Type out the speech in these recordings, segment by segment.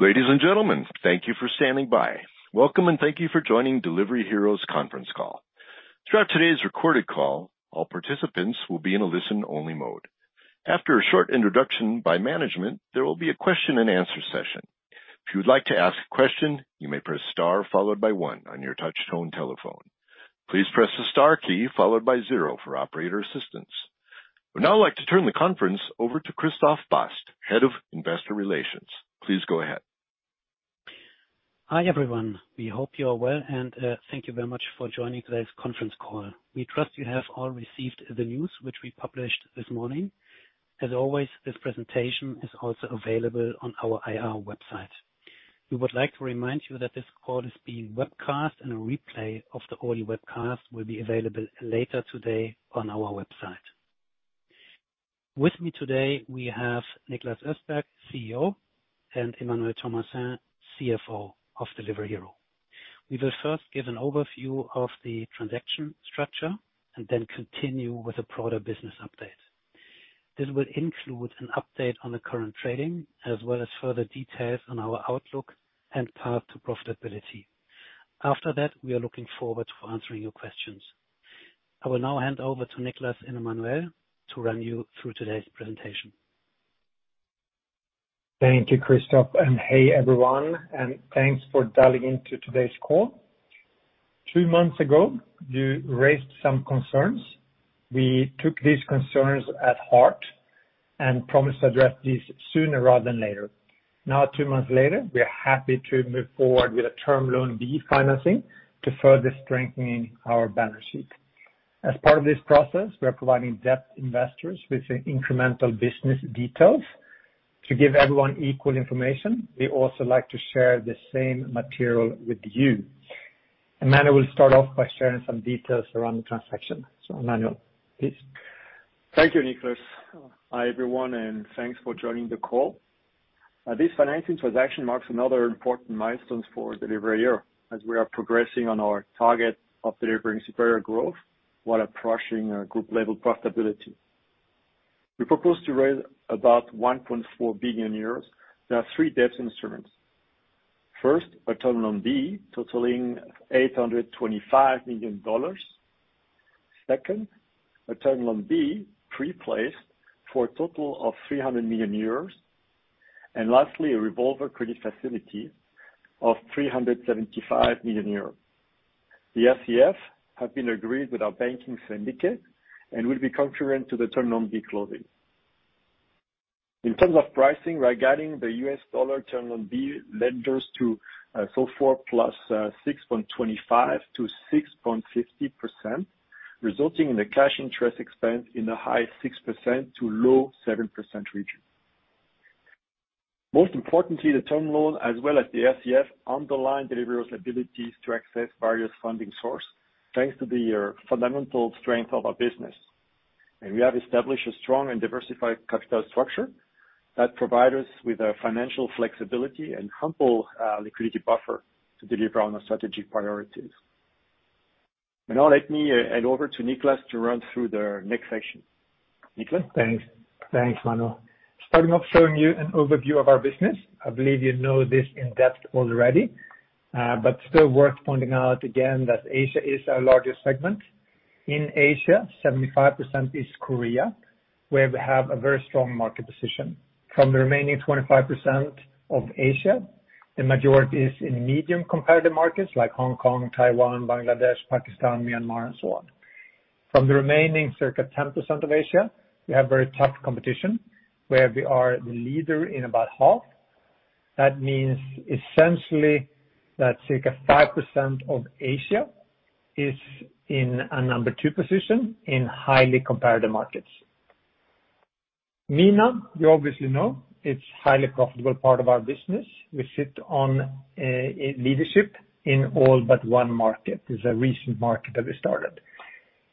Ladies and gentlemen, thank you for standing by. Welcome, and thank you for joining Delivery Hero's conference call. Throughout today's recorded call, all participants will be in a listen-only mode. After a short introduction by management, there will be a question-and-answer session. If you'd like to ask a question, you may press star followed by one on your touch-tone telephone. Please press the star key followed by zero for operator assistance. I would now like to turn the conference over to Christoph Bast, Head of Investor Relations. Please go ahead. Hi, everyone. We hope you are well, and thank you very much for joining today's conference call. We trust you have all received the news which we published this morning. As always, this presentation is also available on our IR website. We would like to remind you that this call is being webcast, and a replay of the audio webcast will be available later today on our website. With me today, we have Niklas Östberg, CEO, and Emmanuel Thomassin, CFO of Delivery Hero. We will first give an overview of the transaction structure and then continue with a broader business update. This will include an update on the current trading, as well as further details on our outlook and path to profitability. After that, we are looking forward to answering your questions. I will now hand over to Niklas and Emmanuel to run you through today's presentation. Thank you, Christoph, and hey, everyone, and thanks for dialing into today's call. Two months ago, you raised some concerns. We took these concerns at heart and promised to address these sooner rather than later. Now, two months later, we are happy to move forward with a Term Loan B financing to further strengthen our balance sheet. As part of this process, we are providing debt investors with the incremental business details. To give everyone equal information, we also like to share the same material with you. Emmanuel will start off by sharing some details around the transaction. Emmanuel, please. Thank you, Niklas. Hi, everyone, and thanks for joining the call. This financing transaction marks another important milestone for Delivery Hero as we are progressing on our target of delivering superior growth while approaching a group level profitability. We propose to raise about 1.4 billion euros. There are three debt instruments. First, a Term Loan B totaling $825 million. Second, a Term Loan B pre-placed for a total of 300 million euros. Lastly, a revolver credit facility of 375 million euros. The SCF have been agreed with our banking syndicate and will be concurrent to the Term Loan B closing. In terms of pricing, regarding the U.S. dollar Term Loan B led us to SOFR plus 6.25%-6.50%, resulting in a cash interest expense in the high 6% to low 7% region. Most importantly, the term loan as well as the SCF underline Delivery Hero's abilities to access various funding sources, thanks to the fundamental strength of our business. We have established a strong and diversified capital structure that provide us with a financial flexibility and ample liquidity buffer to deliver on our strategic priorities. Now let me hand over to Niklas to run through the next section. Niklas? Thanks. Thanks, Emmanuel. Starting off showing you an overview of our business. I believe you know this in-depth already, but still worth pointing out again that Asia is our largest segment. In Asia, 75% is Korea, where we have a very strong market position. From the remaining 25% of Asia, the majority is in medium competitive markets like Hong Kong, Taiwan, Bangladesh, Pakistan, Myanmar, and so on. From the remaining circa 10% of Asia, we have very tough competition, where we are the leader in about half. That means essentially that circa 5% of Asia is in a number two position in highly competitive markets. MENA, you obviously know, it's highly profitable part of our business. We sit on leadership in all but one market. It's a recent market that we started.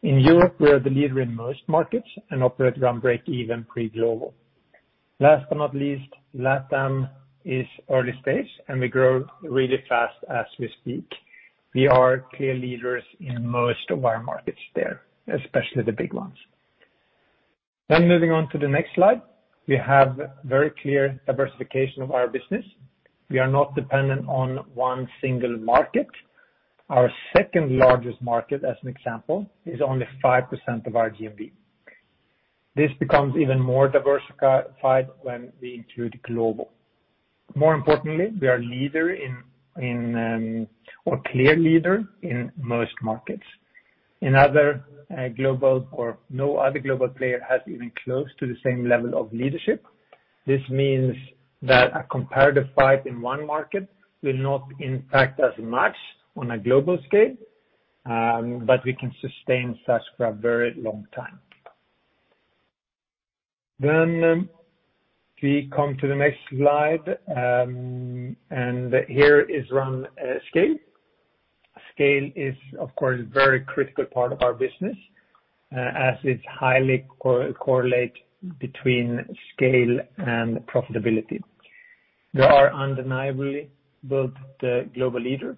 In Europe, we are the leader in most markets and operate around breakeven pre-global. Last but not least, LatAm is early stage, and we grow really fast as we speak. We are clear leaders in most of our markets there, especially the big ones. Moving on to the next slide. We have very clear diversification of our business. We are not dependent on one single market. Our second largest market, as an example, is only 5% of our GMV. This becomes even more diversified when we include global. More importantly, we are leader or clear leader in most markets. No other global player has even close to the same level of leadership. This means that a comparative fight in one market will not impact us much on a global scale, but we can sustain fast for a very long time. We come to the next slide, and here is around scale. Scale is, of course, very critical part of our business, as it's highly correlate between scale and profitability. We are undeniably both the global leader.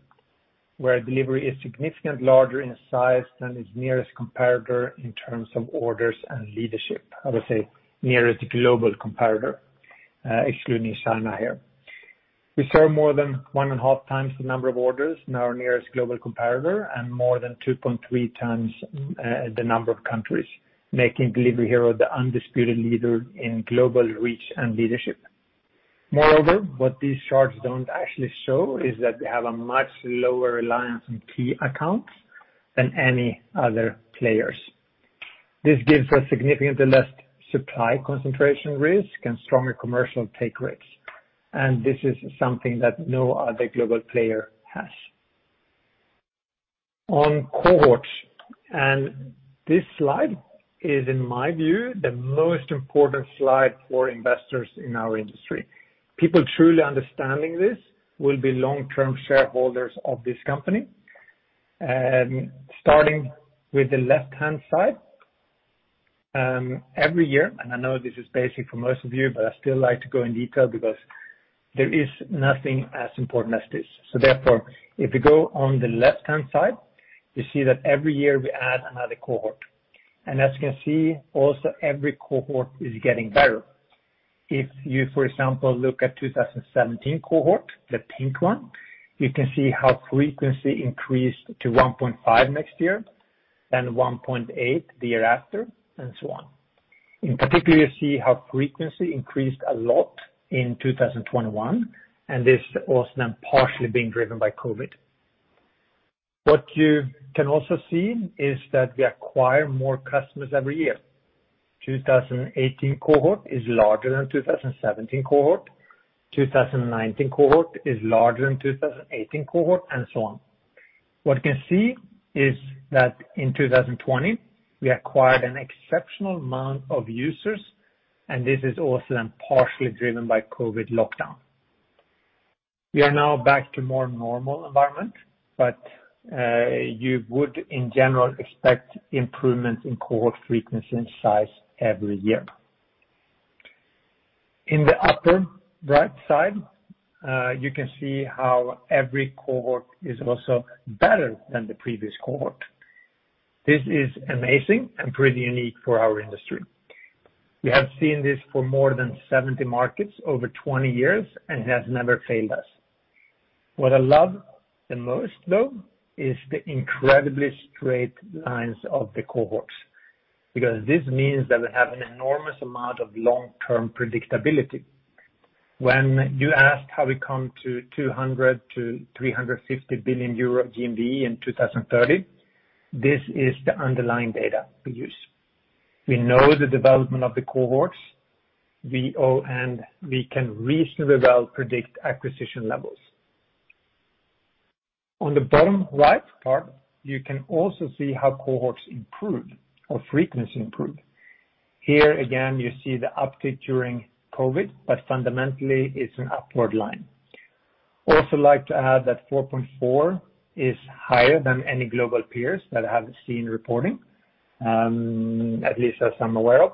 Delivery Hero is significantly larger in size than its nearest competitor in terms of orders and leadership. I would say nearest global competitor, excluding China here. We serve more than 1.5 times the number of orders in our nearest global competitor, and more than 2.3 times the number of countries, making Delivery Hero the undisputed leader in global reach and leadership. Moreover, what these charts don't actually show is that they have a much lower reliance on key accounts than any other players. This gives us significantly less supply concentration risk and stronger commercial take rates. This is something that no other global player has. On cohorts, this slide is, in my view, the most important slide for investors in our industry. People truly understanding this will be long-term shareholders of this company. Starting with the left-hand side. Every year, and I know this is basic for most of you, but I still like to go in detail because there is nothing as important as this. Therefore, if you go on the left-hand side, you see that every year we add another cohort. As you can see, also every cohort is getting better. If you, for example, look at 2017 cohort, the pink one, you can see how frequency increased to 1.5 next year and 1.8 the year after, and so on. In particular, you see how frequency increased a lot in 2021, and this also then partially being driven by COVID. What you can also see is that we acquire more customers every year. 2018 cohort is larger than 2017 cohort. 2019 cohort is larger than 2018 cohort, and so on. What you can see is that in 2020, we acquired an exceptional amount of users, and this is also then partially driven by COVID lockdown. We are now back to more normal environment, but you would in general expect improvements in cohort frequency and size every year. In the upper right side, you can see how every cohort is also better than the previous cohort. This is amazing and pretty unique for our industry. We have seen this for more than 70 markets over 20 years, and it has never failed us. What I love the most though is the incredibly straight lines of the cohorts, because this means that we have an enormous amount of long-term predictability. When you ask how we come to 200 billion-350 billion euro GMV in 2030, this is the underlying data we use. We know the development of the cohorts, and we can reasonably well predict acquisition levels. On the bottom right part, you can also see how cohorts improve or frequency improve. Here again, you see the uptick during COVID, but fundamentally, it's an upward line. I also like to add that 4.4 is higher than any global peers that I have seen reporting, at least as I'm aware of.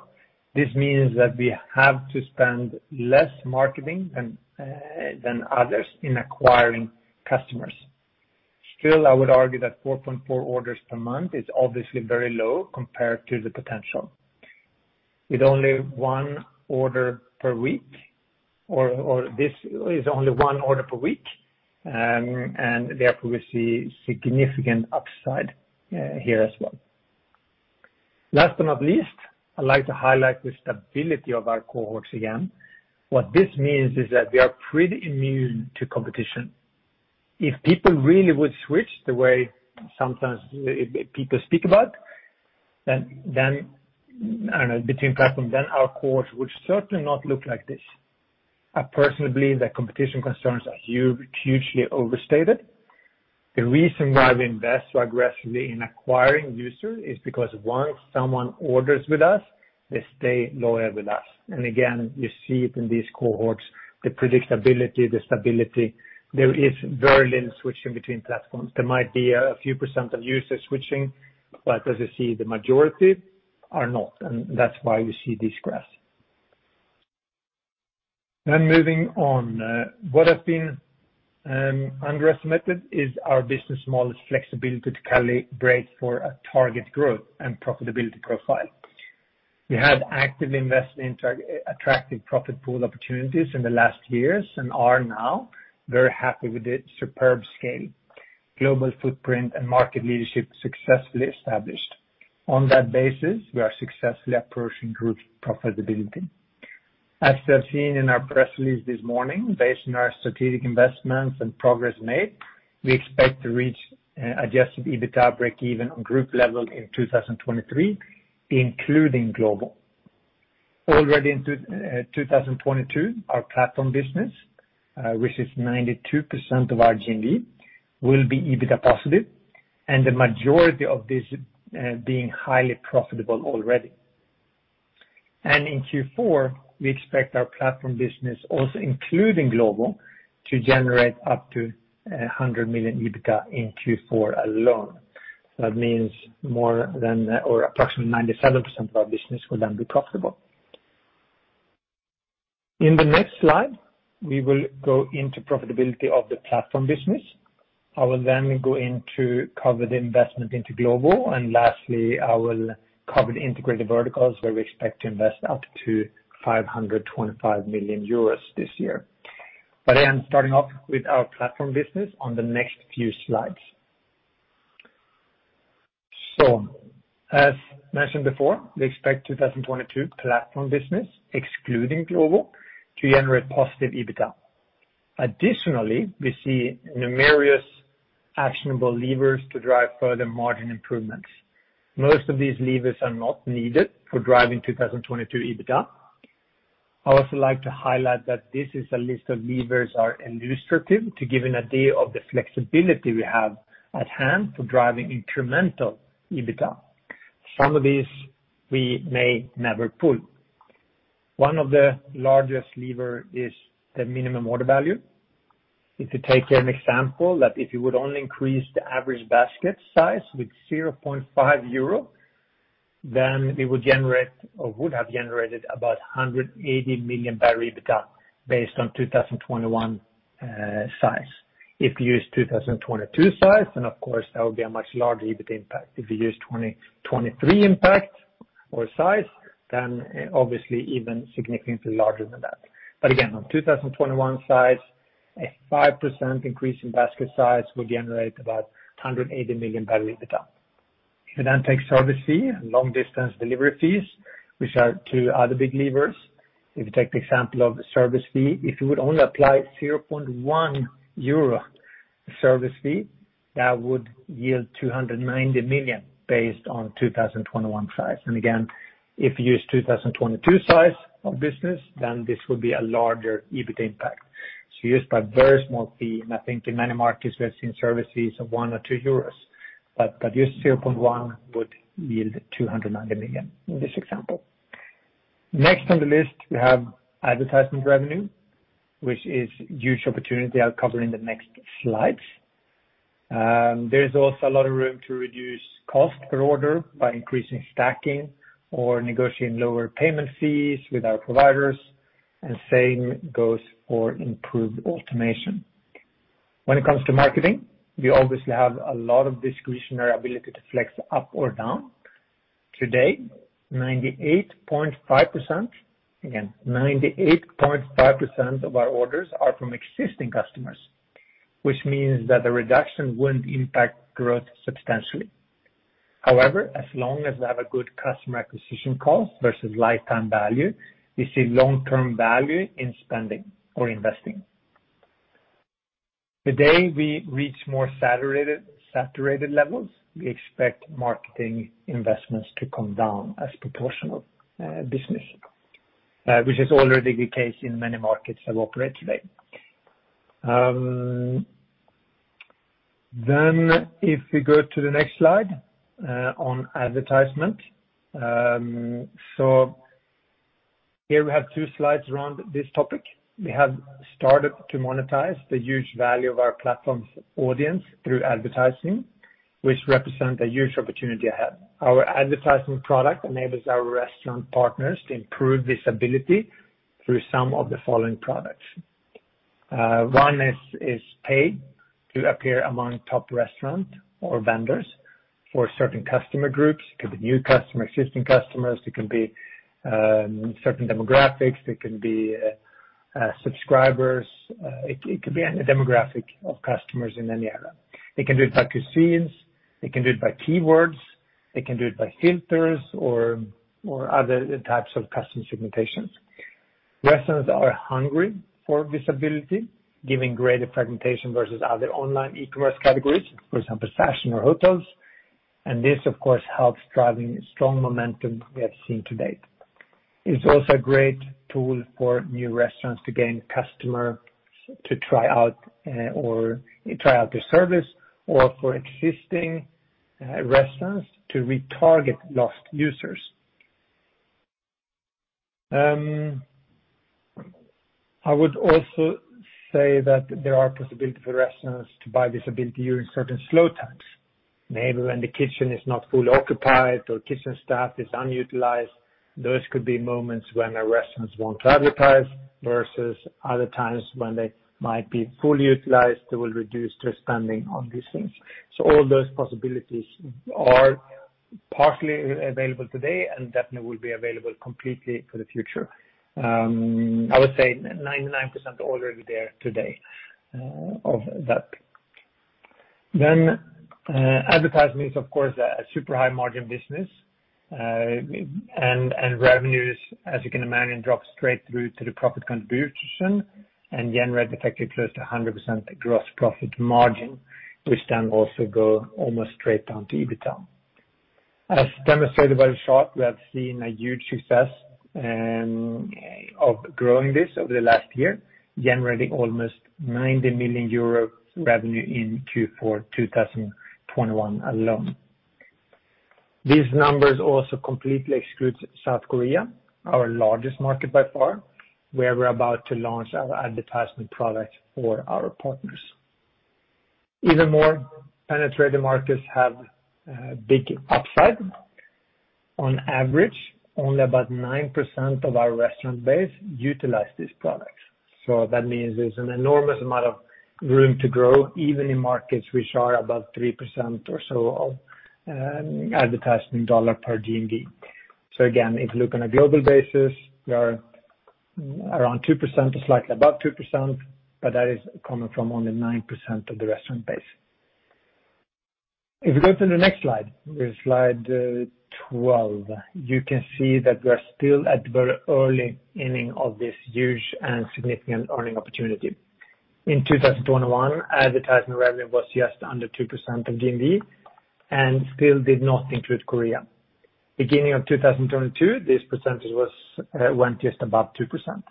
This means that we have to spend less marketing than others in acquiring customers. Still, I would argue that 4.4 orders per month is obviously very low compared to the potential. With only one order per week or this is only one order per week, and therefore, we see significant upside here as well. Last but not least, I'd like to highlight the stability of our cohorts again. What this means is that we are pretty immune to competition. If people really would switch the way sometimes people speak about, then, I don't know, between platforms, then our cohorts would certainly not look like this. I personally believe that competition concerns are hugely overstated. The reason why we invest so aggressively in acquiring users is because once someone orders with us, they stay loyal with us. Again, you see it in these cohorts, the predictability, the stability. There is very little switching between platforms. There might be a few percent of users switching, but as you see, the majority are not, and that's why you see this graph. Moving on. What has been underestimated is our business model's flexibility to calibrate for a target growth and profitability profile. We have actively invested into attractive profit pool opportunities in the last years and are now very happy with the superb scale. Glovo footprint and market leadership successfully established. On that basis, we are successfully approaching group profitability. As you have seen in our press release this morning, based on our strategic investments and progress made, we expect to reach adjusted EBITDA breakeven on group level in 2023, including Glovo. Already in 2022, our platform business, which is 92% of our GMV, will be EBITDA positive, and the majority of this being highly profitable already. In Q4, we expect our platform business, also including Glovo, to generate up to 100 million EBITDA in Q4 alone. That means more than or approximately 97% of our business will then be profitable. In the next slide, we will go into profitability of the platform business. I will then go on to cover the investment into Glovo. Lastly, I will cover the integrated verticals where we expect to invest up to 525 million euros this year. I am starting off with our platform business on the next few slides. As mentioned before, we expect 2022 platform business, excluding Glovo to generate positive EBITDA. Additionally, we see numerous actionable levers to drive further margin improvements. Most of these levers are not needed for driving 2022 EBITDA. I also like to highlight that this is a list of levers are illustrative to give you an idea of the flexibility we have at hand for driving incremental EBITDA. Some of these we may never pull. One of the largest lever is the minimum order value. If you take an example that if you would only increase the average basket size with 0.5 euro, then we would generate or would have generated about 180 million in EBITDA based on 2021 size. If you use 2022 size, then of course that would be a much larger EBITDA impact. If you use 2023 impact or size, then obviously even significantly larger than that. Again, on 2021 size, a 5% increase in basket size will generate about 180 million in EBITDA. We then take service fee and long distance delivery fees, which are two other big levers. If you take the example of the service fee, if you would only apply 0.1 euro service fee, that would yield 290 million based on 2021 size. Again, if you use 2022 size of business, then this would be a larger EBIT impact. Used by a very small fee, and I think in many markets we have seen service fees of 1 or 2 euros. But just 0.1 would yield 290 million in this example. Next on the list we have advertisement revenue, which is huge opportunity I'll cover in the next slides. There's also a lot of room to reduce cost per order by increasing stacking or negotiating lower payment fees with our providers, and same goes for improved automation. When it comes to marketing, we obviously have a lot of discretionary ability to flex up or down. Today, 98.5%, again, 98.5% of our orders are from existing customers, which means that the reduction wouldn't impact growth substantially. However, as long as they have a good customer acquisition cost versus lifetime value, we see long-term value in spending or investing. The day we reach more saturated levels, we expect marketing investments to come down as proportional business, which is already the case in many markets that operate today. If we go to the next slide on advertisement. Here we have two slides around this topic. We have started to monetize the huge value of our platform's audience through advertising, which represent a huge opportunity ahead. Our advertising product enables our restaurant partners to improve visibility through some of the following products. One is pay to appear among top restaurant or vendors for certain customer groups. It could be new customers, existing customers. It can be certain demographics. It can be subscribers. It could be any demographic of customers in any area. They can do it by cuisines. They can do it by keywords. They can do it by filters or other types of custom segmentations. Restaurants are hungry for visibility, given greater fragmentation versus other online e-commerce categories, for example, fashion or hotels. This, of course, helps drive strong momentum we have seen to date. It's also a great tool for new restaurants to gain customers to try out their service or for existing restaurants to retarget lost users. I would also say that there are possibility for restaurants to buy visibility during certain slow times. Maybe when the kitchen is not fully occupied or kitchen staff is unutilized, those could be moments when the restaurants want to advertise versus other times when they might be fully utilized, they will reduce their spending on these things. All those possibilities are partially available today and definitely will be available completely for the future. I would say 99% already there today, of that. Advertisement is of course a super high margin business. And revenues, as you can imagine, drop straight through to the profit contribution and generate effectively close to 100% gross profit margin, which then also go almost straight down to EBITDA. As demonstrated by the chart, we have seen a huge success of growing this over the last year, generating almost 90 million euro revenue in Q4 2021 alone. These numbers also completely excludes South Korea, our largest market by far, where we're about to launch our advertisement product for our partners. Even more penetrating markets have big upside. On average, only about 9% of our restaurant base utilize these products. That means there's an enormous amount of room to grow, even in markets which are above 3% or so of advertisement dollar per GMV. Again, if you look on a global basis, we are around 2%, slightly above 2%, but that is coming from only 9% of the restaurant base. If you go to the next slide 12, you can see that we are still at the very early inning of this huge and significant earning opportunity. In 2021, advertisement revenue was just under 2% of GMV and still did not include Korea. Beginning of 2022, this percentage went just above 2%.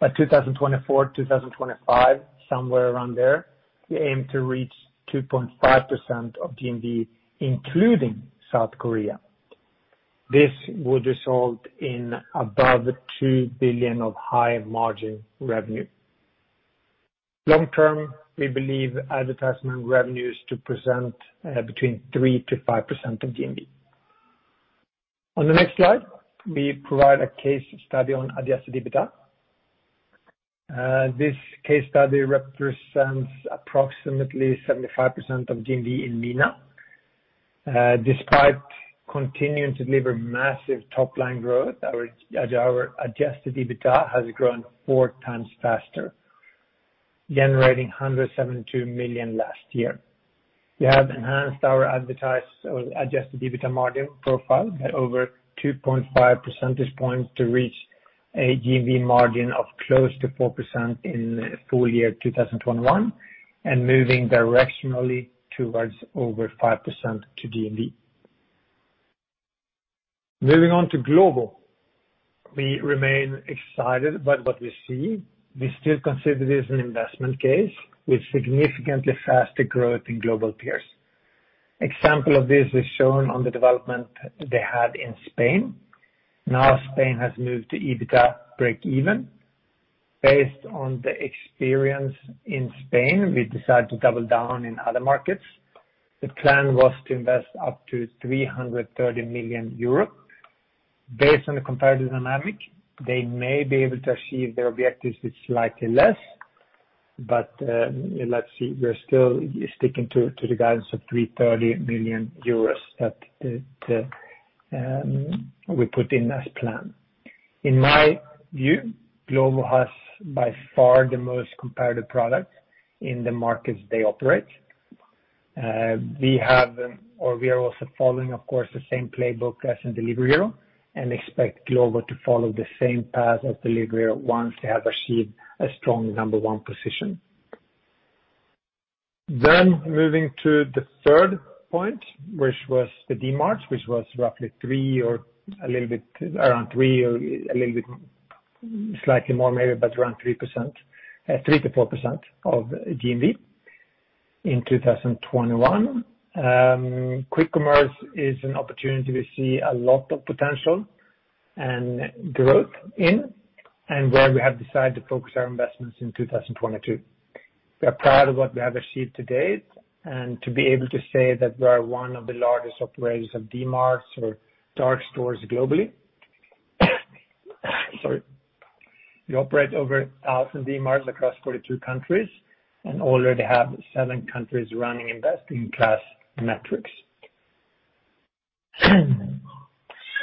By 2024, 2025, somewhere around there, we aim to reach 2.5% of GMV, including South Korea. This will result in above 2 billion of high margin revenue. Long term, we believe advertisement revenues to represent between 3%-5% of GMV. On the next slide, we provide a case study on adjusted EBITDA. This case study represents approximately 75% of GMV in MENA. Despite continuing to deliver massive top-line growth, our adjusted EBITDA has grown 4 times faster, generating 172 million last year. We have enhanced our adjusted EBITDA margin profile by over 2.5 percentage points to reach a GMV margin of close to 4% in full year 2021, and moving directionally towards over 5% to GMV. Moving on to Glovo. We remain excited by what we see. We still consider this an investment case with significantly faster growth in global peers. Example of this is shown on the development they had in Spain. Now Spain has moved to EBITDA breakeven. Based on the experience in Spain, we decided to double down in other markets. The plan was to invest up to 330 million euros. Based on the comparative dynamic, they may be able to achieve their objectives with slightly less, but, let's see, we're still sticking to the guidance of 330 million euros that we put in as planned. In my view, Glovo has by far the most competitive products in the markets they operate. We have or we are also following, of course, the same playbook as in Delivery Hero and expect Glovo to follow the same path of Delivery Hero once they have achieved a strong number one position. Moving to the third point, which was the Dmarts, which was roughly 3% or a little bit around 3% or a little bit slightly more maybe, but around 3%-4% of GMV in 2021. Quick commerce is an opportunity we see a lot of potential and growth in, and where we have decided to focus our investments in 2022. We are proud of what we have achieved to date and to be able to say that we are one of the largest operators of Dmarts or dark stores globally. We operate over 1,000 Dmarts across 42 countries and already have seven countries running best-in-class metrics.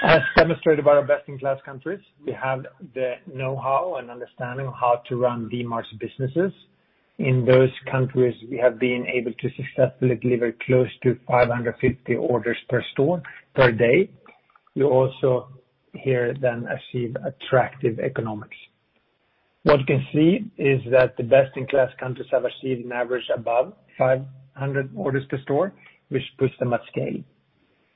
As demonstrated by our best-in-class countries, we have the know-how and understanding of how to run Dmarts businesses. In those countries, we have been able to successfully deliver close to 550 orders per store per day. We also then achieve attractive economics. What you can see is that the best-in-class countries have achieved an average above 500 orders per store, which puts them at scale.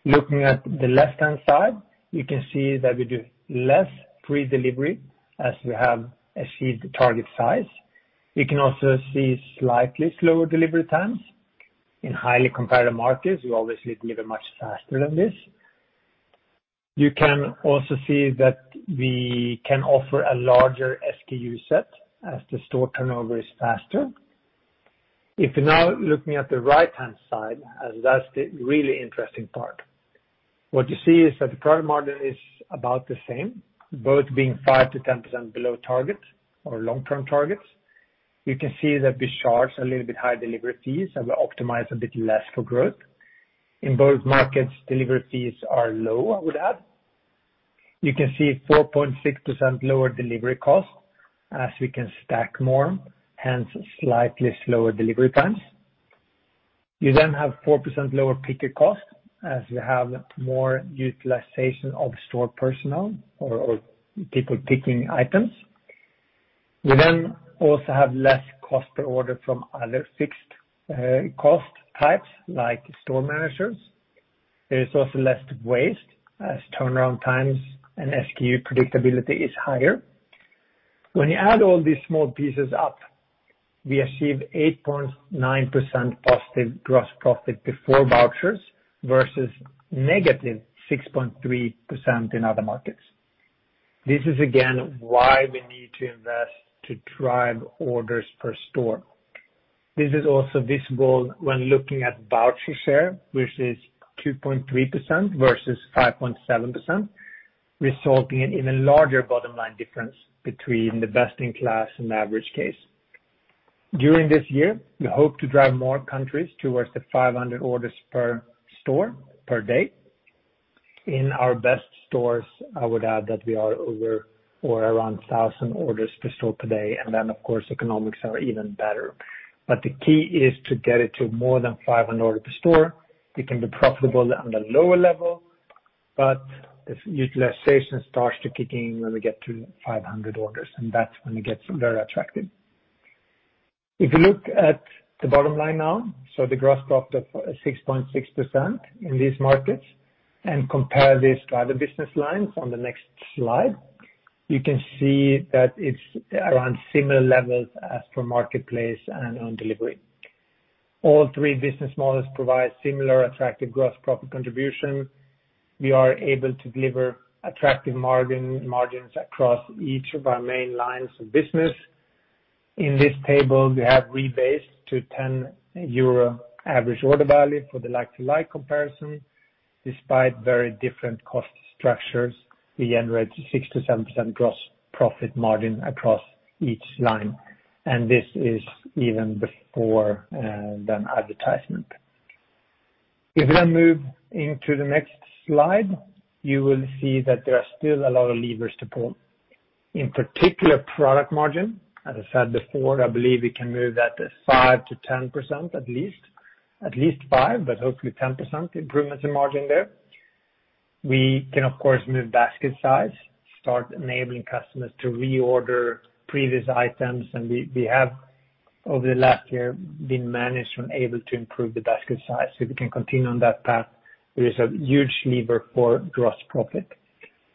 Looking at the left-hand side, you can see that we do less free delivery as we have achieved the target size. We can also see slightly slower delivery times. In highly competitive markets, we obviously deliver much faster than this. You can also see that we can offer a larger SKU set as the store turnover is faster. If you're now looking at the right-hand side, as that's the really interesting part. What you see is that the product margin is about the same, both being 5%-10% below target or long-term targets. You can see that we charge a little bit higher delivery fees and we optimize a bit less for growth. In both markets, delivery fees are low, I would add. You can see 4.6% lower delivery cost as we can stack more, hence slightly slower delivery times. You have 4% lower picker cost as you have more utilization of store personnel or people picking items. You also have less cost per order from other fixed cost types like store managers. There is also less waste as turnaround times and SKU predictability is higher. When you add all these small pieces up, we achieve 8.9% positive gross profit before vouchers versus -6.3% in other markets. This is again why we need to invest to drive orders per store. This is also visible when looking at voucher share, which is 2.3% versus 5.7%, resulting in an even larger bottom line difference between the best in class and average case. During this year, we hope to drive more countries towards the 500 orders per store per day. In our best stores, I would add that we are over or around 1,000 orders per store today, and then of course economics are even better. The key is to get it to more than 500 orders per store. We can be profitable on the lower level, but this utilization starts to kick in when we get to 500 orders, and that's when it gets very attractive. If you look at the bottom line now, so the gross profit of 6.6% in these markets, and compare this to other business lines on the next slide, you can see that it's around similar levels as own marketplace and own delivery. All three business models provide similar attractive gross profit contribution. We are able to deliver attractive margins across each of our main lines of business. In this table, we have rebased to 10 euro average order value for the like-for-like comparison. Despite very different cost structures, we generate 6%-7% gross profit margin across each line, and this is even before then advertisement. If we now move into the next slide, you will see that there are still a lot of levers to pull. In particular product margin, as I said before, I believe we can move that at 5%-10%, at least. At least 5%, but hopefully 10% improvements in margin there. We can of course move basket size, start enabling customers to reorder previous items. We have over the last year been managed and able to improve the basket size. If we can continue on that path, there is a huge lever for gross profit.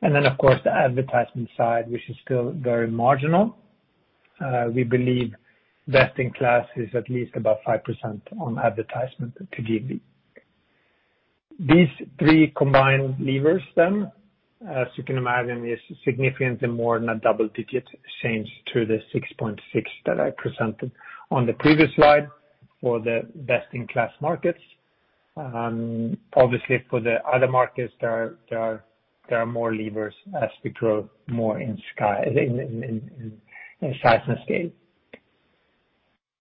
Of course the advertisement side, which is still very marginal. We believe best in class is at least about 5% on advertisement to give. These three combined levers, as you can imagine, is significantly more than a double-digit change to the 6.6% that I presented on the previous slide for the best in class markets. Obviously for the other markets there are more levers as we grow more in size and scale.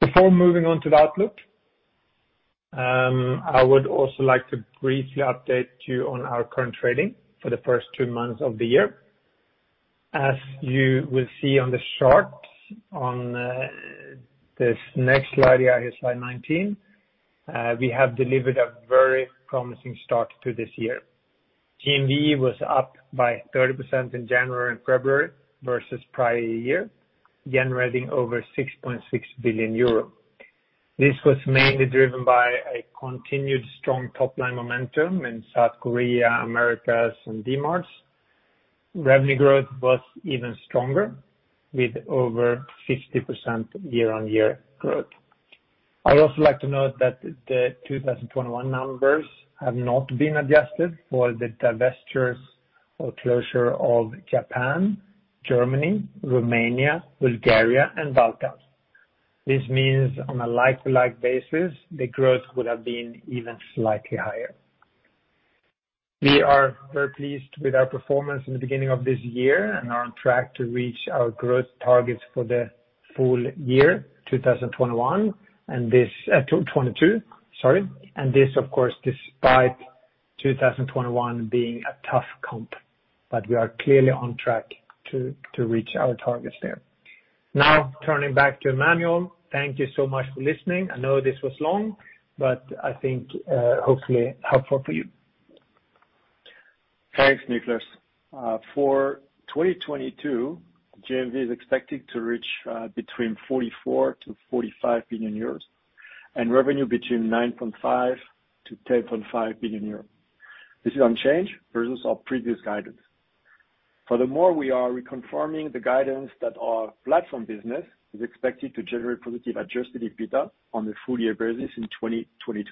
Before moving on to the outlook, I would also like to briefly update you on our current trading for the first two months of the year. As you will see on the chart on this next slide here, slide 19, we have delivered a very promising start to this year. GMV was up by 30% in January and February versus prior year, generating over 6.6 billion euro. This was mainly driven by a continued strong top-line momentum in South Korea, Americas, and Dmarts. Revenue growth was even stronger with over 50% year-on-year growth. I'd also like to note that the 2021 numbers have not been adjusted for the divestitures or closure of Japan, Germany, Romania, Bulgaria, and Baltics. This means on a like-for-like basis, the growth would have been even slightly higher. We are very pleased with our performance in the beginning of this year and are on track to reach our growth targets for the full year 2022. This of course, despite 2021 being a tough comp. We are clearly on track to reach our targets there. Now, turning back to Emmanuel. Thank you so much for listening. I know this was long, but I think, hopefully helpful for you. Thanks, Niklas. For 2022, GMV is expected to reach between 44 billion-45 billion euros and revenue between 9.5 billion-10.5 billion euros. This is unchanged versus our previous guidance. Furthermore, we are reconfirming the guidance that our platform business is expected to generate positive adjusted EBITDA on a full-year basis in 2022.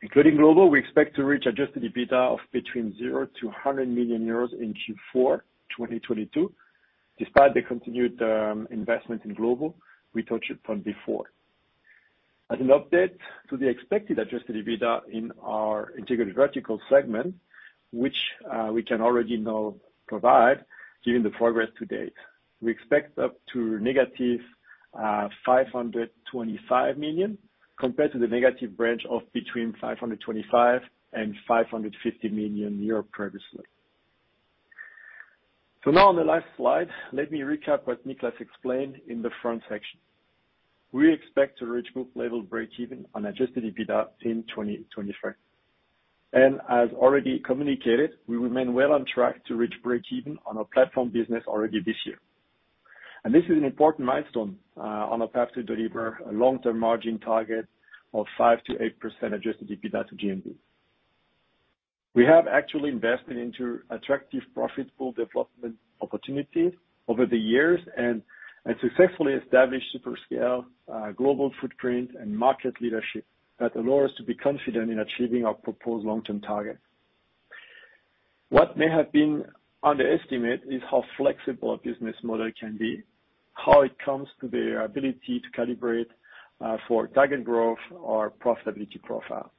Including Glovo, we expect to reach adjusted EBITDA of between 0-100 million euros in Q4 2022. Despite the continued investment in Glovo, we touched on it before. As an update to the expected adjusted EBITDA in our integrated vertical segment, which we can already now provide given the progress to date, we expect up to -525 million, compared to the negative range of between 525 million and 550 million euro previously. Now on the last slide, let me recap what Niklas explained in the front section. We expect to reach group level breakeven on adjusted EBITDA in 2023. As already communicated, we remain well on track to reach breakeven on our platform business already this year. This is an important milestone on our path to deliver a long-term margin target of 5%-8% adjusted EBITDA to GMV. We have actually invested into attractive, profitable development opportunities over the years and successfully established super scale global footprint and market leadership that allow us to be confident in achieving our proposed long-term target. What may have been underestimated is how flexible a business model can be, how it comes to the ability to calibrate for target growth or profitability profile.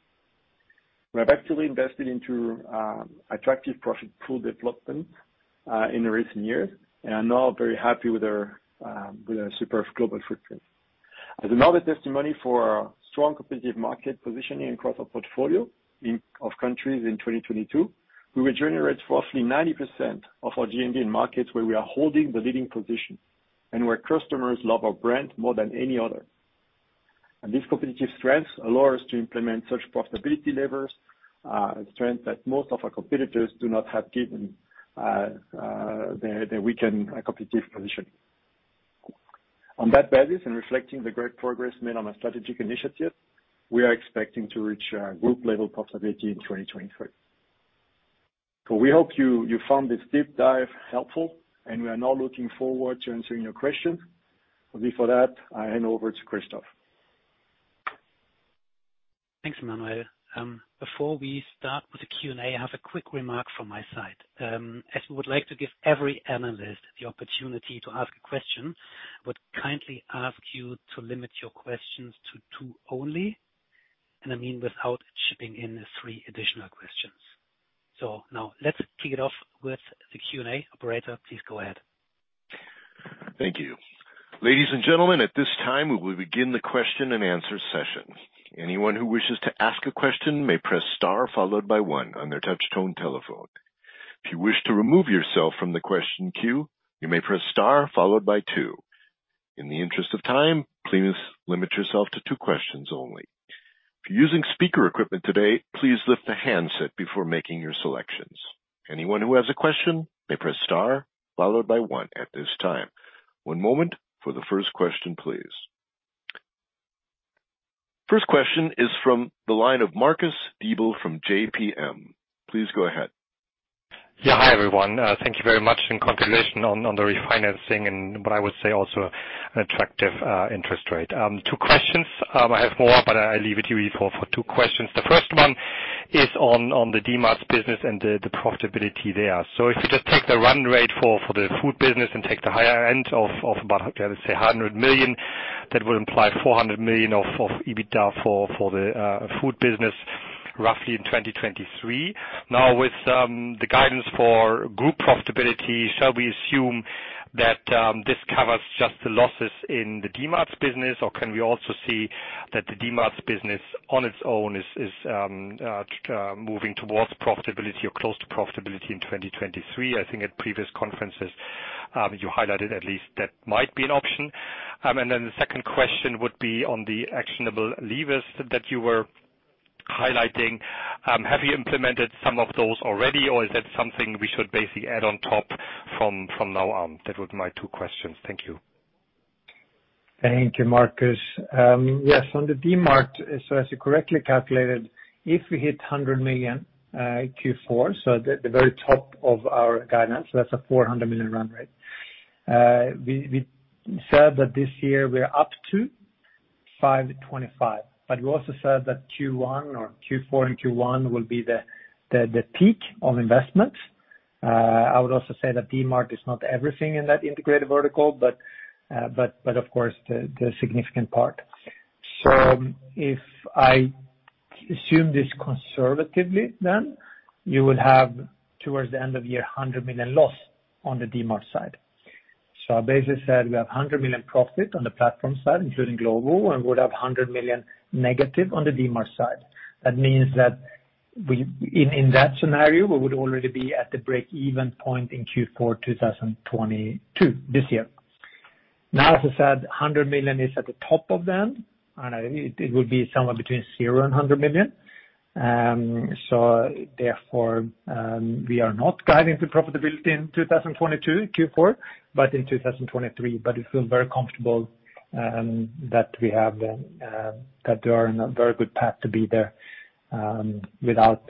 We have actually invested into attractive profit pool development in the recent years, and are now very happy with our superb global footprint. As another testimony for our strong competitive market positioning across our portfolio of countries in 2022, we will generate roughly 90% of our GMV in markets where we are holding the leading position and where customers love our brand more than any other. This competitive strength allow us to implement such profitability levers, strength that most of our competitors do not have given the weakened competitive position. On that basis, and reflecting the great progress made on our strategic initiatives, we are expecting to reach group level profitability in 2023. We hope you found this deep dive helpful, and we are now looking forward to answering your questions. Before that, I hand over to Christophe. Thanks, Emmanuel. Before we start with the Q&A, I have a quick remark from my side. As we would like to give every analyst the opportunity to ask a question, I would kindly ask you to limit your questions to two only, and I mean without chipping in three additional questions. Now let's kick it off with the Q&A. Operator, please go ahead. Thank you. Ladies and gentlemen, at this time, we will begin the question-and-answer session. Anyone who wishes to ask a question may press star followed by one on their touch-tone telephone. If you wish to remove yourself from the question queue, you may press star followed by two. In the interest of time, please limit yourself to two questions only. If you're using speaker equipment today, please lift the handset before making your selections. Anyone who has a question may press star followed by one at this time. One moment for the first question, please. First question is from the line of Marcus Diebel from JPMorgan. Please go ahead. Yeah. Hi, everyone. Thank you very much. In continuation on the refinancing and what I would say also an attractive interest rate. Two questions. I have more, but I'll leave it with you for two questions. The first one is on the Dmarts business and the profitability there. If you just take the run rate for the food business and take the higher end of about, let's say, 100 million, that would imply 400 million of EBITDA for the food business roughly in 2023. Now with the guidance for group profitability, shall we assume that this covers just the losses in the Dmarts business, or can we also see that the Dmarts business on its own is moving towards profitability or close to profitability in 2023? I think at previous conferences, you highlighted at least that might be an option. The second question would be on the actionable levers that you were highlighting. Have you implemented some of those already, or is that something we should basically add on top from now on? That was my two questions. Thank you. Thank you, Marcus. Yes, on the Dmarts, as you correctly calculated, if we hit 100 million, Q4, the very top of our guidance, that's a 400 million run rate. We said that this year we're up to 5 million-25 million, but we also said that Q1 or Q4 and Q1 will be the peak of investments. I would also say that Dmarts is not everything in that integrated vertical, but of course the significant part. If I assume this conservatively, then you would have towards the end of year 100 million loss on the Dmarts side. I basically said we have 100 million profit on the platform side, including Glovo, and we would have 100 million negative on the Dmarts side. That means that in that scenario, we would already be at the break-even point in Q4 2022, this year. Now, as I said, 100 million is at the top of them, and it would be somewhere between 0 and 100 million. Therefore, we are not guiding to profitability in 2022, Q4, but in 2023. We feel very comfortable that we have that we are on a very good path to be there without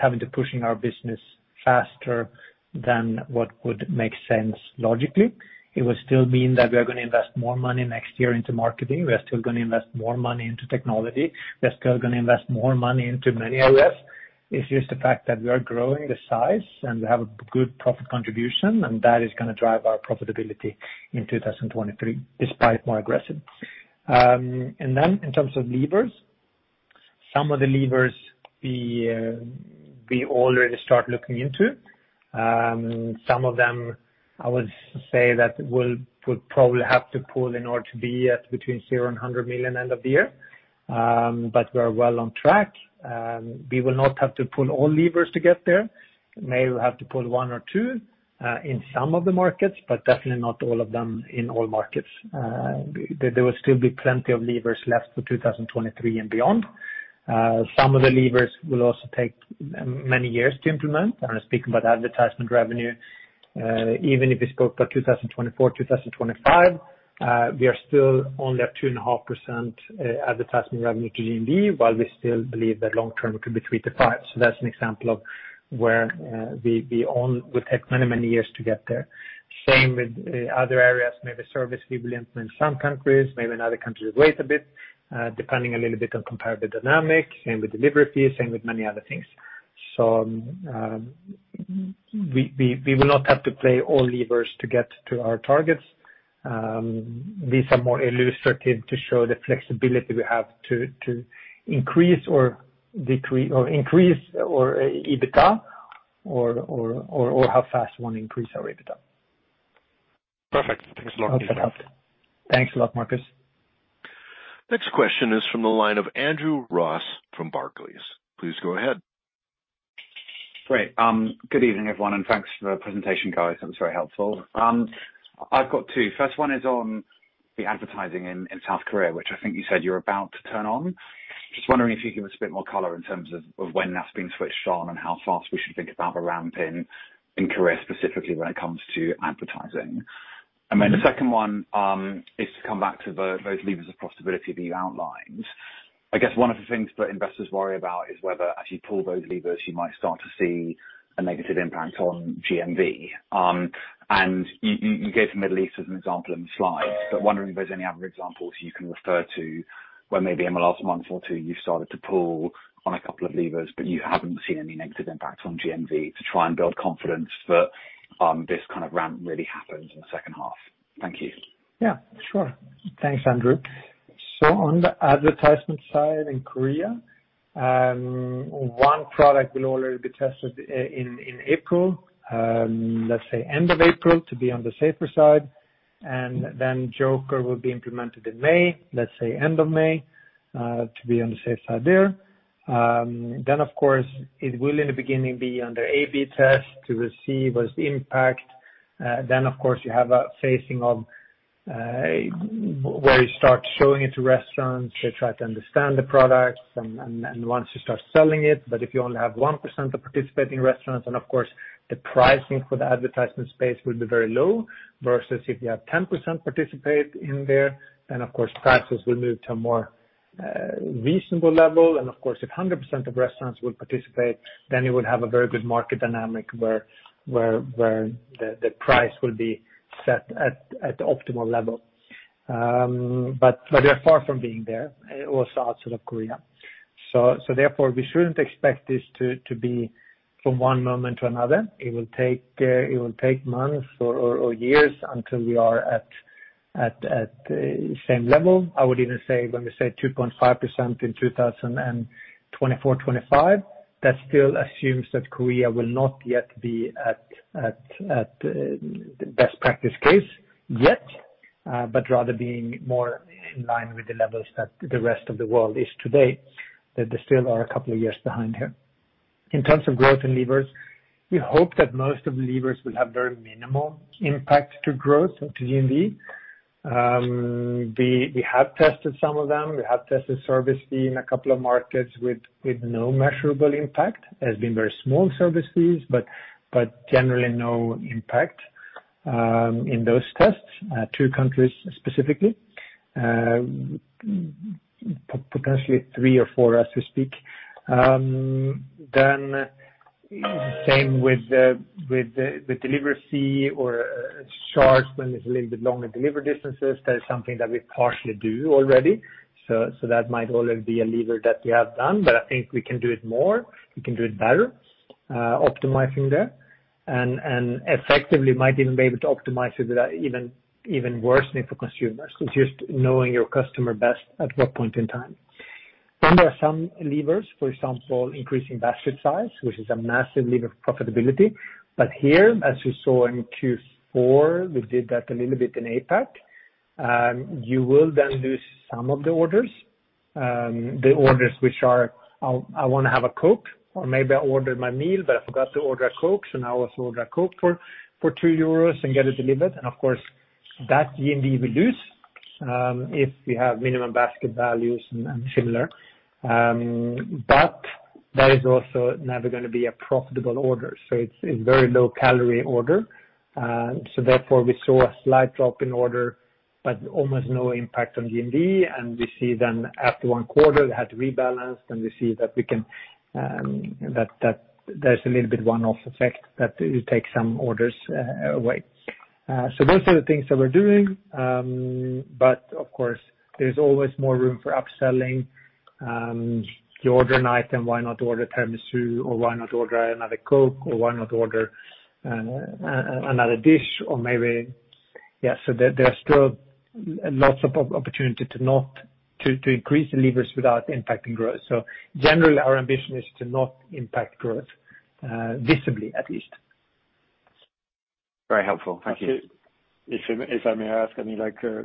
having to pushing our business faster than what would make sense logically. It would still mean that we are gonna invest more money next year into marketing. We are still gonna invest more money into technology. We are still gonna invest more money into many areas. It's just the fact that we are growing the size and we have a good profit contribution and that is gonna drive our profitability in 2023, despite more aggressive. In terms of levers, some of the levers we already start looking into. Some of them I would say that we'd probably have to pull in order to be at between 0 and 100 million end of the year. We are well on track. We will not have to pull all levers to get there. Maybe we'll have to pull one or two in some of the markets, but definitely not all of them in all markets. There will still be plenty of levers left for 2023 and beyond. Some of the levers will also take many years to implement. I'm speaking about advertisement revenue. Even if we spoke about 2024, 2025, we are still only at 2.5% advertisement revenue to GMV, while we still believe that long term it could be 3%-5%. That's an example of where it would take many years to get there. Same with other areas, maybe service fees we'll implement in some countries, maybe in other countries we'll wait a bit, depending a little bit on competitive dynamics, same with delivery fees, same with many other things. We will not have to play all levers to get to our targets. These are more illustrative to show the flexibility we have to increase or decrease EBITDA or how fast one increases our EBITDA. Perfect. Thanks a lot. Okay. Thanks a lot, Marcus. Next question is from the line of Andrew Ross from Barclays. Please go ahead. Great. Good evening, everyone, and thanks for the presentation, guys. That was very helpful. I've got two. First one is on the advertising in South Korea, which I think you said you're about to turn on. Just wondering if you could give us a bit more color in terms of when that's being switched on and how fast we should think about the ramp in Korea specifically when it comes to advertising. Then the second one is to come back to those levers of profitability that you outlined. I guess one of the things that investors worry about is whether as you pull those levers, you might start to see a negative impact on GMV. You gave the Middle East as an example in the slide, but wondering if there's any other examples you can refer to where maybe in the last month or two you've started to pull on a couple of levers, but you haven't seen any negative impact on GMV to try and build confidence that this kind of ramp really happens in the second half? Thank you. Yeah. Sure. Thanks, Andrew. On the advertisement side in Korea, one product will already be tested in April, let's say end of April to be on the safer side, and then Joker will be implemented in May, let's say end of May, to be on the safe side there. It will, in the beginning, be under A/B test to receive its impact. Of course, you have a phasing of where you start showing it to restaurants. They try to understand the products and once you start selling it. If you only have 1% of participating restaurants and of course, the pricing for the advertisement space will be very low versus if you have 10% participate in there, then of course prices will move to a more reasonable level. Of course, if 100% of restaurants would participate, then you would have a very good market dynamic where the price will be set at optimal level. We are far from being there, also outside of Korea. Therefore, we shouldn't expect this to be from one moment to another. It will take months or years until we are at the same level. I would even say when we say 2.5% in 2024-2025, that still assumes that Korea will not yet be at the best practice case yet, but rather being more in line with the levels that the rest of the world is today. That they still are a couple of years behind here. In terms of growth in levers, we hope that most of the levers will have very minimal impact to growth, to GMV. We have tested some of them. We have tested service fee in a couple of markets with no measurable impact. It has been very small service fees, but generally no impact in those tests. Two countries specifically, potentially three or four as we speak. Same with the delivery fee or charge when it is a little bit longer delivery distances. That is something that we partially do already. That might already be a lever that we have done. I think we can do it more, we can do it better, optimizing there. Effectively might even be able to optimize it without even worsening for consumers. It's just knowing your customer best at what point in time. There are some levers, for example, increasing basket size, which is a massive lever of profitability. Here, as you saw in Q4, we did that a little bit in APAC. You will then lose some of the orders, the orders which are, I wanna have a Coke or maybe I ordered my meal, but I forgot to order a Coke, so now let's order a Coke for 2 euros and get it delivered. Of course that GMV will lose, if we have minimum basket values and similar. That is also never gonna be a profitable order. It's a very low calorie order. Therefore, we saw a slight drop in orders, but almost no impact on GMV. We see then after one quarter, it had to rebalance, and we see that we can, that there's a little bit one-off effect that it takes some orders away. Those are the things that we're doing, but of course there's always more room for upselling. You order an item, why not order tiramisu or why not order another Coke, or why not order another dish? There are still lots of opportunity to increase the levers without impacting growth. Generally our ambition is to not impact growth visibly at least. Very helpful, thank you. If I may ask, I mean, like, I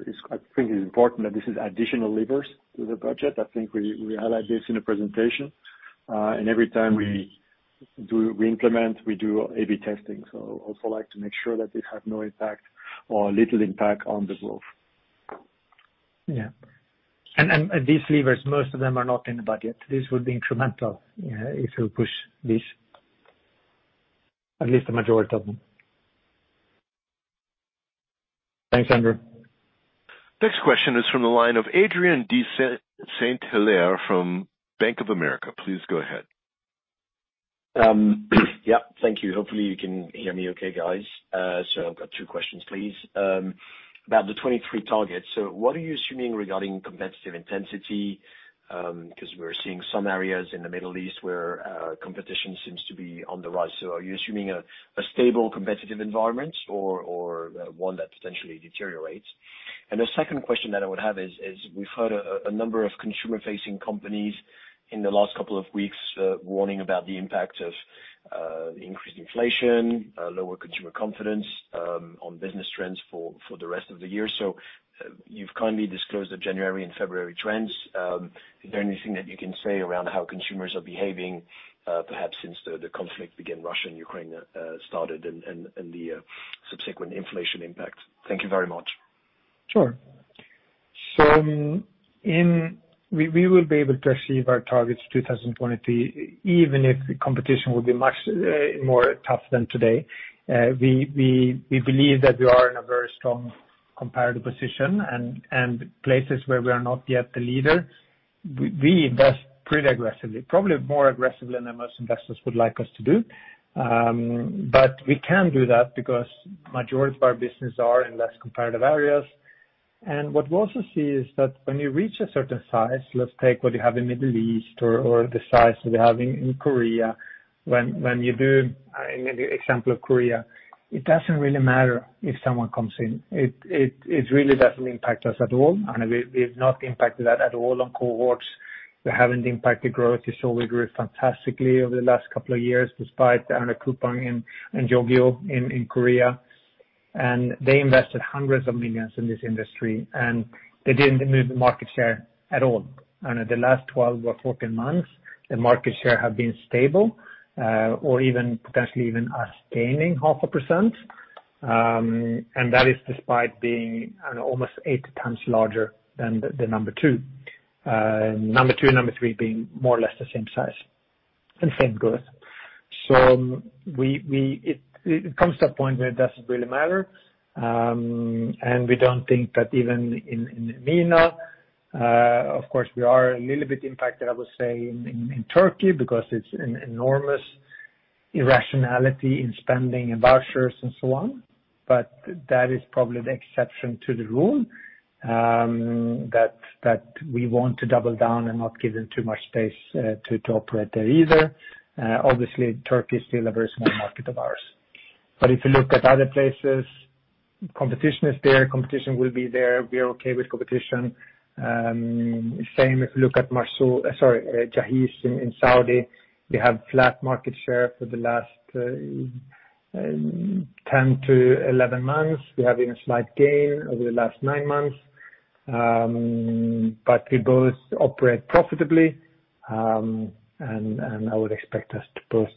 think it's important that this is additional levers to the budget. I think we highlight this in the presentation. Every time we implement, we do A/B testing. Also like to make sure that this have no impact or little impact on the growth. These levers, most of them are not in the budget. This would be incremental, if you push this, at least the majority of them. Thanks, Andrew. Next question is from the line of Adrien de Saint Hilaire from Bank of America. Please go ahead. Yeah, thank you. Hopefully you can hear me okay, guys. I've got two questions, please. About the 2023 targets. What are you assuming regarding competitive intensity? Because we're seeing some areas in the Middle East where competition seems to be on the rise. Are you assuming a stable competitive environment or one that potentially deteriorates? And the second question that I would have is we've heard a number of consumer-facing companies in the last couple of weeks warning about the impact of the increased inflation, lower consumer confidence, on business trends for the rest of the year. You've kindly disclosed the January and February trends. Is there anything that you can say around how consumers are behaving, perhaps since the conflict began, Russia and Ukraine, started and the subsequent inflation impact? Thank you very much. Sure. We will be able to achieve our targets 2023, even if the competition will be much more tough than today. We believe that we are in a very strong competitive position and places where we are not yet the leader, we invest pretty aggressively, probably more aggressively than most investors would like us to do. But we can do that because majority of our business are in less competitive areas. What we also see is that when you reach a certain size, let's take what you have in Middle East or the size that we have in Korea. When you do in the example of Korea, it doesn't really matter if someone comes in. It really doesn't impact us at all, and we've not impacted that at all on cohorts. We haven't impacted growth. We grew fantastically over the last couple of years despite, I don't know, Coupang and Yogiyo in Korea. They invested hundreds of millions in this industry, and they didn't move the market share at all. In the last 12 or 14 months, the market share has been stable, or even potentially us gaining 0.5%. That is despite being almost 8 times larger than the number two, number two and number three being more or less the same size and same growth. It comes to a point where it doesn't really matter. We don't think that even in MENA, of course, we are a little bit impacted, I would say, in Türkiye because it's an enormous irrationality in spending and vouchers and so on. That is probably the exception to the rule, that we want to double down and not give them too much space, to operate there either. Obviously, Türkiye is still a very small market of ours. If you look at other places, competition is there, competition will be there. We are okay with competition. Same if you look at Jahez in Saudi. We have flat market share for the last 10-11 months. We're having a slight gain over the last 9 months. We both operate profitably. I would expect us to both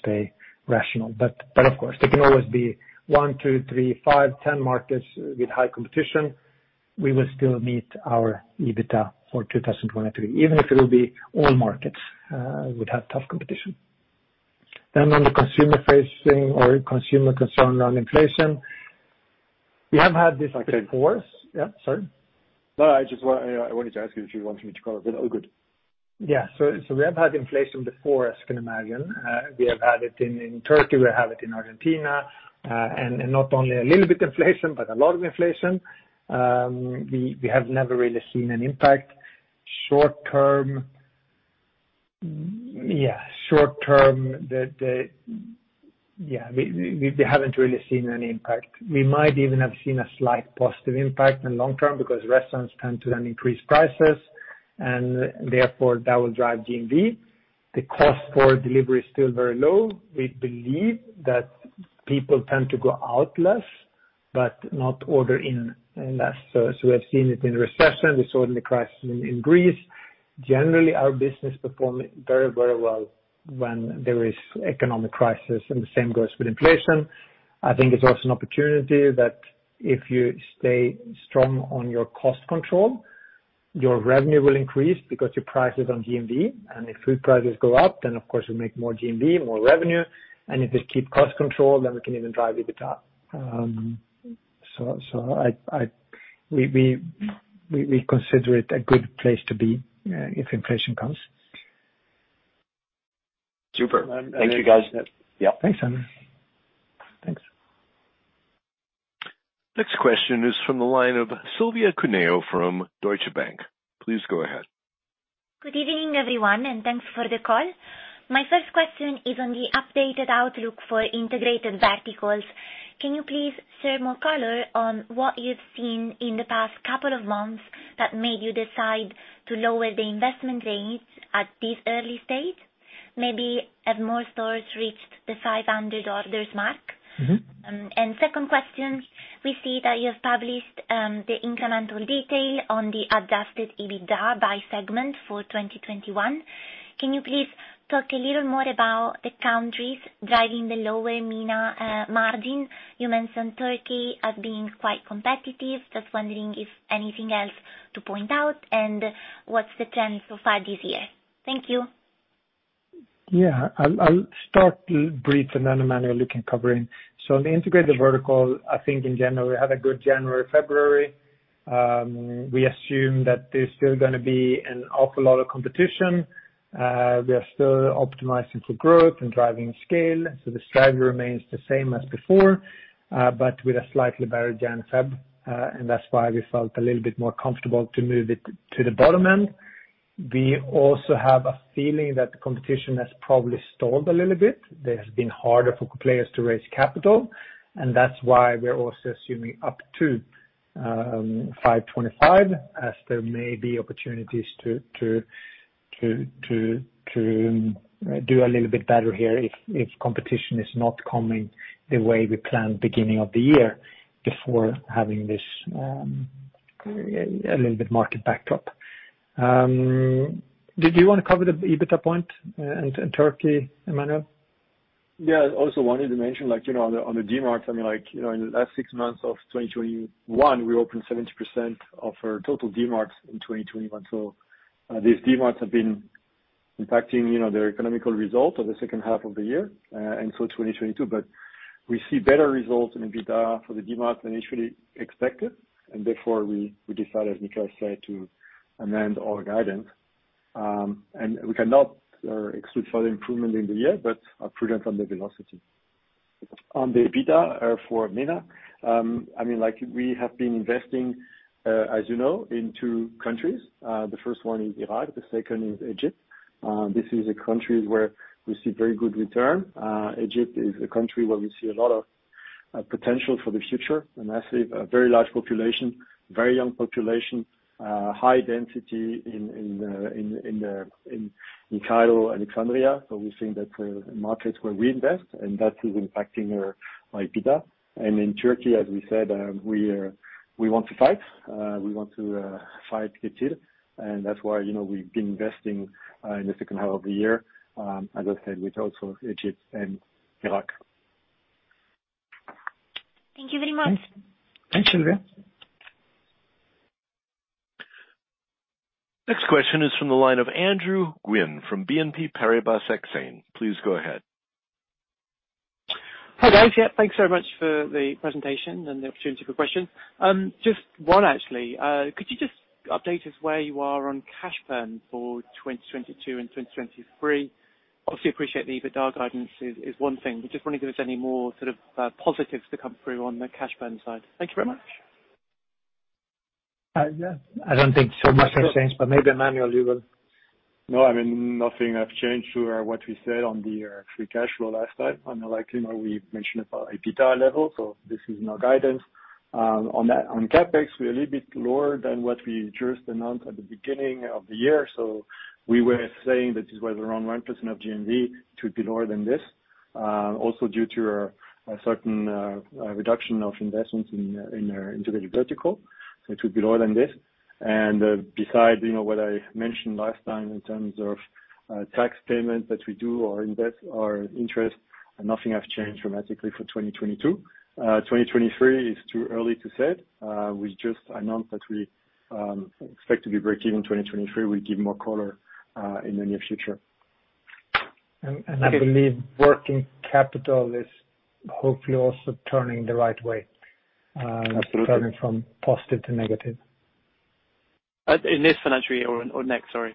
stay rational. Of course, there can always be 1, 2, 3, 5, 10 markets with high competition. We will still meet our EBITDA for 2023, even if all markets would have tough competition. On the consumer-facing or consumer concern on inflation, we have had this before. Okay. Yeah. Sorry? No, I wanted to ask you if you want me to go, but all good. We have had inflation before, as you can imagine. We have had it in Türkiye, we have it in Argentina, and not only a little bit inflation, but a lot of inflation. We have never really seen an impact short term. We haven't really seen an impact. We might even have seen a slight positive impact in long term because restaurants tend to then increase prices, and therefore that will drive GMV. The cost for delivery is still very low. We believe that people tend to go out less, but not order in less. As we have seen it in recession, we saw it in the crisis in Greece. Generally, our business performs very well when there is economic crisis, and the same goes with inflation. I think it's also an opportunity that if you stay strong on your cost control, your revenue will increase because you price it on GMV. If food prices go up, then of course we make more GMV, more revenue. If we keep cost control, then we can even drive EBITDA. So we consider it a good place to be, if inflation comes. Super. Thank you, guys. Yeah. Thanks, Adrien. Thanks. Next question is from the line of Silvia Cuneo from Deutsche Bank. Please go ahead. Good evening, everyone, and thanks for the call. My first question is on the updated outlook for integrated verticals. Can you please share more color on what you've seen in the past couple of months that made you decide to lower the investment rates at this early stage? Maybe have more stores reached the 500 orders mark? Second question, we see that you have published the incremental detail on the adjusted EBITDA by segment for 2021. Can you please talk a little more about the countries driving the lower MENA margin? You mentioned Türkiye as being quite competitive. Just wondering if anything else to point out and what's the trend so far this year. Thank you. I'll start briefly, and then Emmanuel, you can jump in. On the integrated vertical, I think in general, we had a good January, February. We assume that there's still gonna be an awful lot of competition. We are still optimizing for growth and driving scale, so the strategy remains the same as before, but with a slightly better January/February, and that's why we felt a little bit more comfortable to move it to the bottom end. We also have a feeling that the competition has probably stalled a little bit. That it's been harder for players to raise capital, and that's why we're also assuming up to 525, as there may be opportunities to do a little bit better here if competition is not coming the way we planned beginning of the year, before having this a little bit market backdrop. Did you wanna cover the EBITDA point in Türkiye, Emmanuel? Yeah. I also wanted to mention, like, you know, on the Dmarts, I mean, like, you know, in the last 6 months of 2021, we opened 70% of our total Dmarts in 2021. These Dmarts have been impacting, you know, their economic result of the second half of the year, and so 2022. We see better results in EBITDA for the Dmarts than initially expected, and therefore we decided, as Niklas said, to amend our guidance. We cannot exclude further improvement in the year, but are prudent on the velocity. On the EBITDA for MENA, I mean, like, we have been investing, as you know, in two countries. The first one is Iraq, the second is Egypt. This is a country where we see very good return. Egypt is a country where we see a lot of potential for the future, a massive, a very large population, very young population, high density in Cairo, Alexandria. We've seen that markets where we invest and that is impacting our EBITDA. In Türkiye, as we said, we want to fight. We want to fight Getir, and that's why, you know, we've been investing in the second half of the year, as I said, with also Egypt and Iraq. Thank you very much. Thanks, Silvia. Next question is from the line of Andrew Gwynn from BNP Paribas Exane. Please go ahead. Hi, guys. Yeah, thanks so much for the presentation and the opportunity for questions. Just one actually. Could you just update us where you are on cash burn for 2022 and 2023? Obviously appreciate the EBITDA guidance is one thing, but just wondering if there's any more sort of positives to come through on the cash burn side. Thank you very much. Yeah. I don't think so much has changed, but maybe Emmanuel, you will. No, I mean, nothing has changed to what we said on the free cash flow last time. I know, like, you know, we mentioned about EBITDA level, so this is now guidance. On CapEx, we're a little bit lower than what we just announced at the beginning of the year. We were saying that it was around 1% of GMV to be lower than this. Also due to a certain reduction of investments in our integrated vertical, so it will be lower than this. Besides, you know, what I mentioned last time in terms of tax payment that we do or invest or interest, nothing has changed dramatically for 2022. 2023 is too early to say it. We just announced that we expect to be breakeven in 2023. We'll give more color in the near future. I believe working capital is hopefully also turning the right way. Absolutely. Turning from positive to negative. In this financial year or next? Sorry.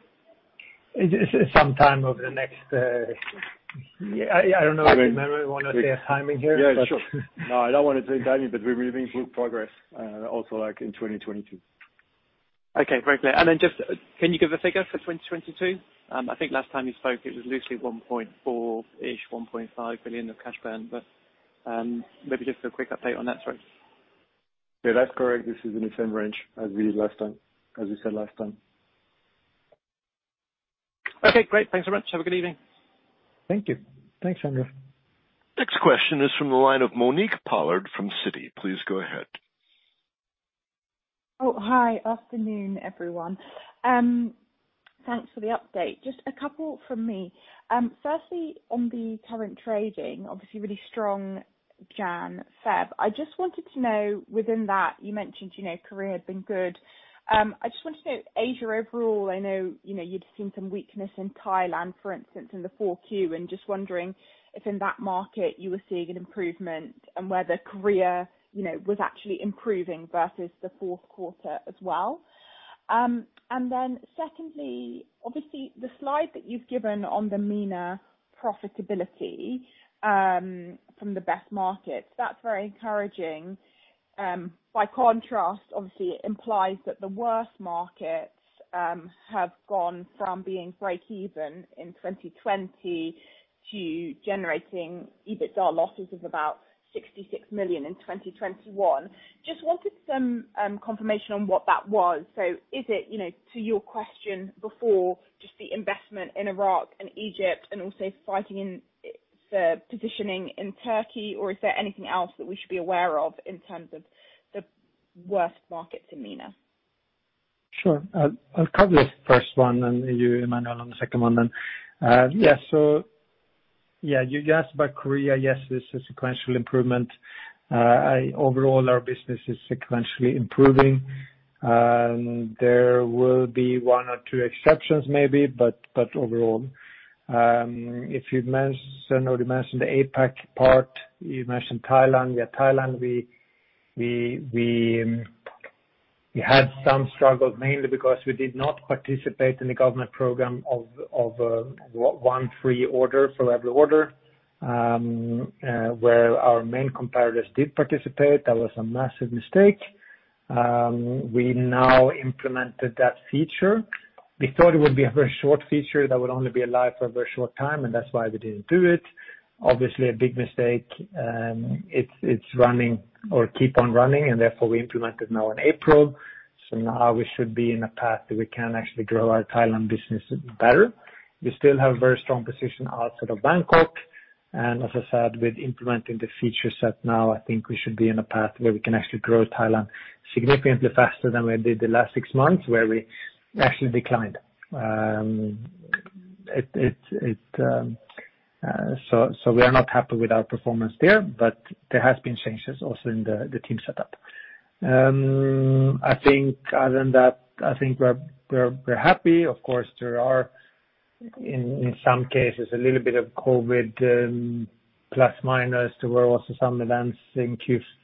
It's sometime over the next. I don't know if Emmanuel, you wanna say a timing here? Yeah, sure. No, I don't wanna say timing, but we're making good progress, also like in 2022. Okay. Very clear. Just, can you give a figure for 2022? I think last time you spoke it was loosely 1.4 billion-ish, 1.5 billion of cash burn, but maybe just a quick update on that front. Yeah, that's correct. This is in the same range as we said last time. Okay, great. Thanks so much. Have a good evening. Thank you. Thanks, Andrew. Next question is from the line of Monique Pollard from Citi. Please go ahead. Oh, hi. Afternoon, everyone. Thanks for the update. Just a couple from me. Firstly, on the current trading, obviously really strong January, February. I just wanted to know, within that, you mentioned, you know, Korea had been good. I just wanted to know Asia overall, I know, you know, you'd seen some weakness in Thailand, for instance, in the 4Q, and just wondering if in that market you were seeing an improvement and whether Korea, you know, was actually improving versus the fourth quarter as well. Then secondly, obviously the slide that you've given on the MENA profitability, from the best markets, that's very encouraging. By contrast, obviously it implies that the worst markets have gone from being breakeven in 2020 to generating EBITDA losses of about 66 million in 2021. Just wanted some confirmation on what that was. So is it, you know, to your question before, just the investment in Iraq and Egypt and also fighting in positioning in Türkiye or is there anything else that we should be aware of in terms of the worst markets in MENA? Sure. I'll cover the first one and you, Emmanuel, on the second one then. Yeah, you asked about Korea. Yes, it's a sequential improvement. Overall our business is sequentially improving. There will be one or two exceptions maybe, but overall. If you'd mention or you mentioned the APAC part, you mentioned Thailand. Thailand, we had some struggles mainly because we did not participate in the government program of one free order for every order, where our main competitors did participate. That was a massive mistake. We now implemented that feature. We thought it would be a very short feature that would only be alive for a very short time, and that's why we didn't do it. Obviously, a big mistake. It's running or keep on running, and therefore we implement it now in April. Now we should be in a path that we can actually grow our Thailand business better. We still have very strong position outside of Bangkok, and as I said, with implementing the feature set now, I think we should be in a path where we can actually grow Thailand significantly faster than we did the last six months, where we actually declined. We are not happy with our performance there, but there has been changes also in the team setup. I think other than that, I think we're happy. Of course, there are in some cases a little bit of COVID, plus minus. There were also some events in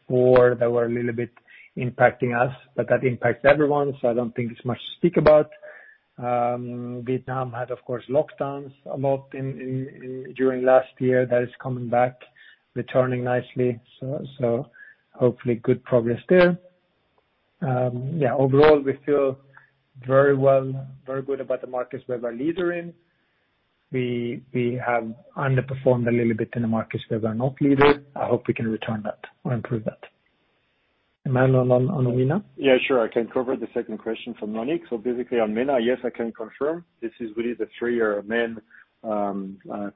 Q4 that were a little bit impacting us, but that impacts everyone, so I don't think it's much to speak about. Vietnam had, of course, lockdowns a lot during last year. That is coming back, returning nicely. Hopefully good progress there. Yeah, overall, we feel very well, very good about the markets we are a leader in. We have underperformed a little bit in the markets where we are not leader. I hope we can return that or improve that. Emmanuel, on MENA? Yeah, sure. I can cover the second question from Monique. Basically on MENA, yes, I can confirm. This is really the three main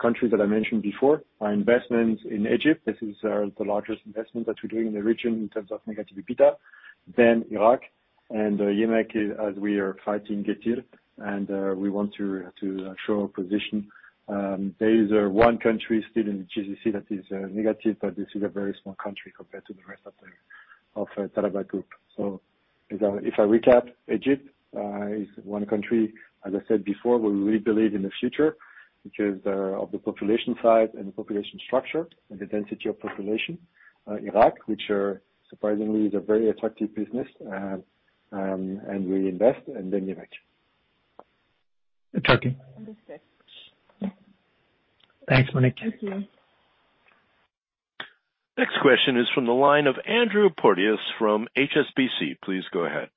countries that I mentioned before. Our investments in Egypt, this is the largest investment that we're doing in the region in terms of negative EBITDA, then Iraq and Türkiye as we are fighting Getir, and we want to show our position. There is one country still in the GCC that is negative, but this is a very small country compared to the rest of the Talabat group. If I recap, Egypt is one country, as I said before, we really believe in the future because of the population size and the population structure and the density of population. Iraq, which surprisingly is a very attractive business, and we invest, and then Türkiye. And Türkiye. Understood. Yeah. Thanks, Monique. Thank you. Next question is from the line of Andrew Porteous from HSBC. Please go ahead.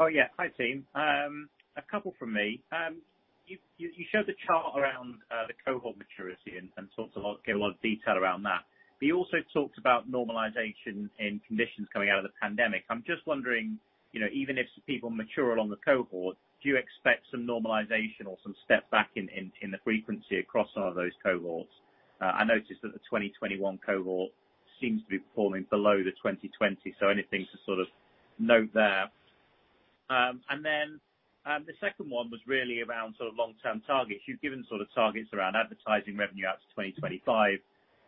Oh, yeah. Hi, team. A couple from me. You showed the chart around the cohort maturity and sort of gave a lot of detail around that. You also talked about normalization in conditions coming out of the pandemic. I'm just wondering, you know, even if people mature along the cohort, do you expect some normalization or some step back in the frequency across all of those cohorts? I noticed that the 2021 cohort seems to be performing below the 2020. Anything to sort of note there. The second one was really around sort of long-term targets. You've given sort of targets around advertising revenue out to 2025,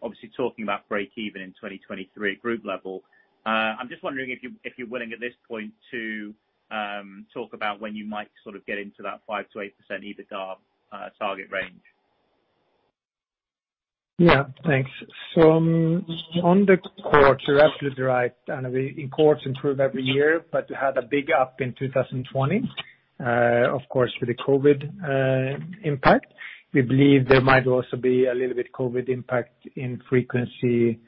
obviously talking about break even in 2023 group level. I'm just wondering if you're willing at this point to talk about when you might sort of get into that 5%-8% EBITDA target range? Yeah. Thanks. On the cohorts, you're absolutely right. Cohorts improve every year, but we had a big up in 2020, of course, with the COVID impact. We believe there might also be a little bit of COVID impact in frequency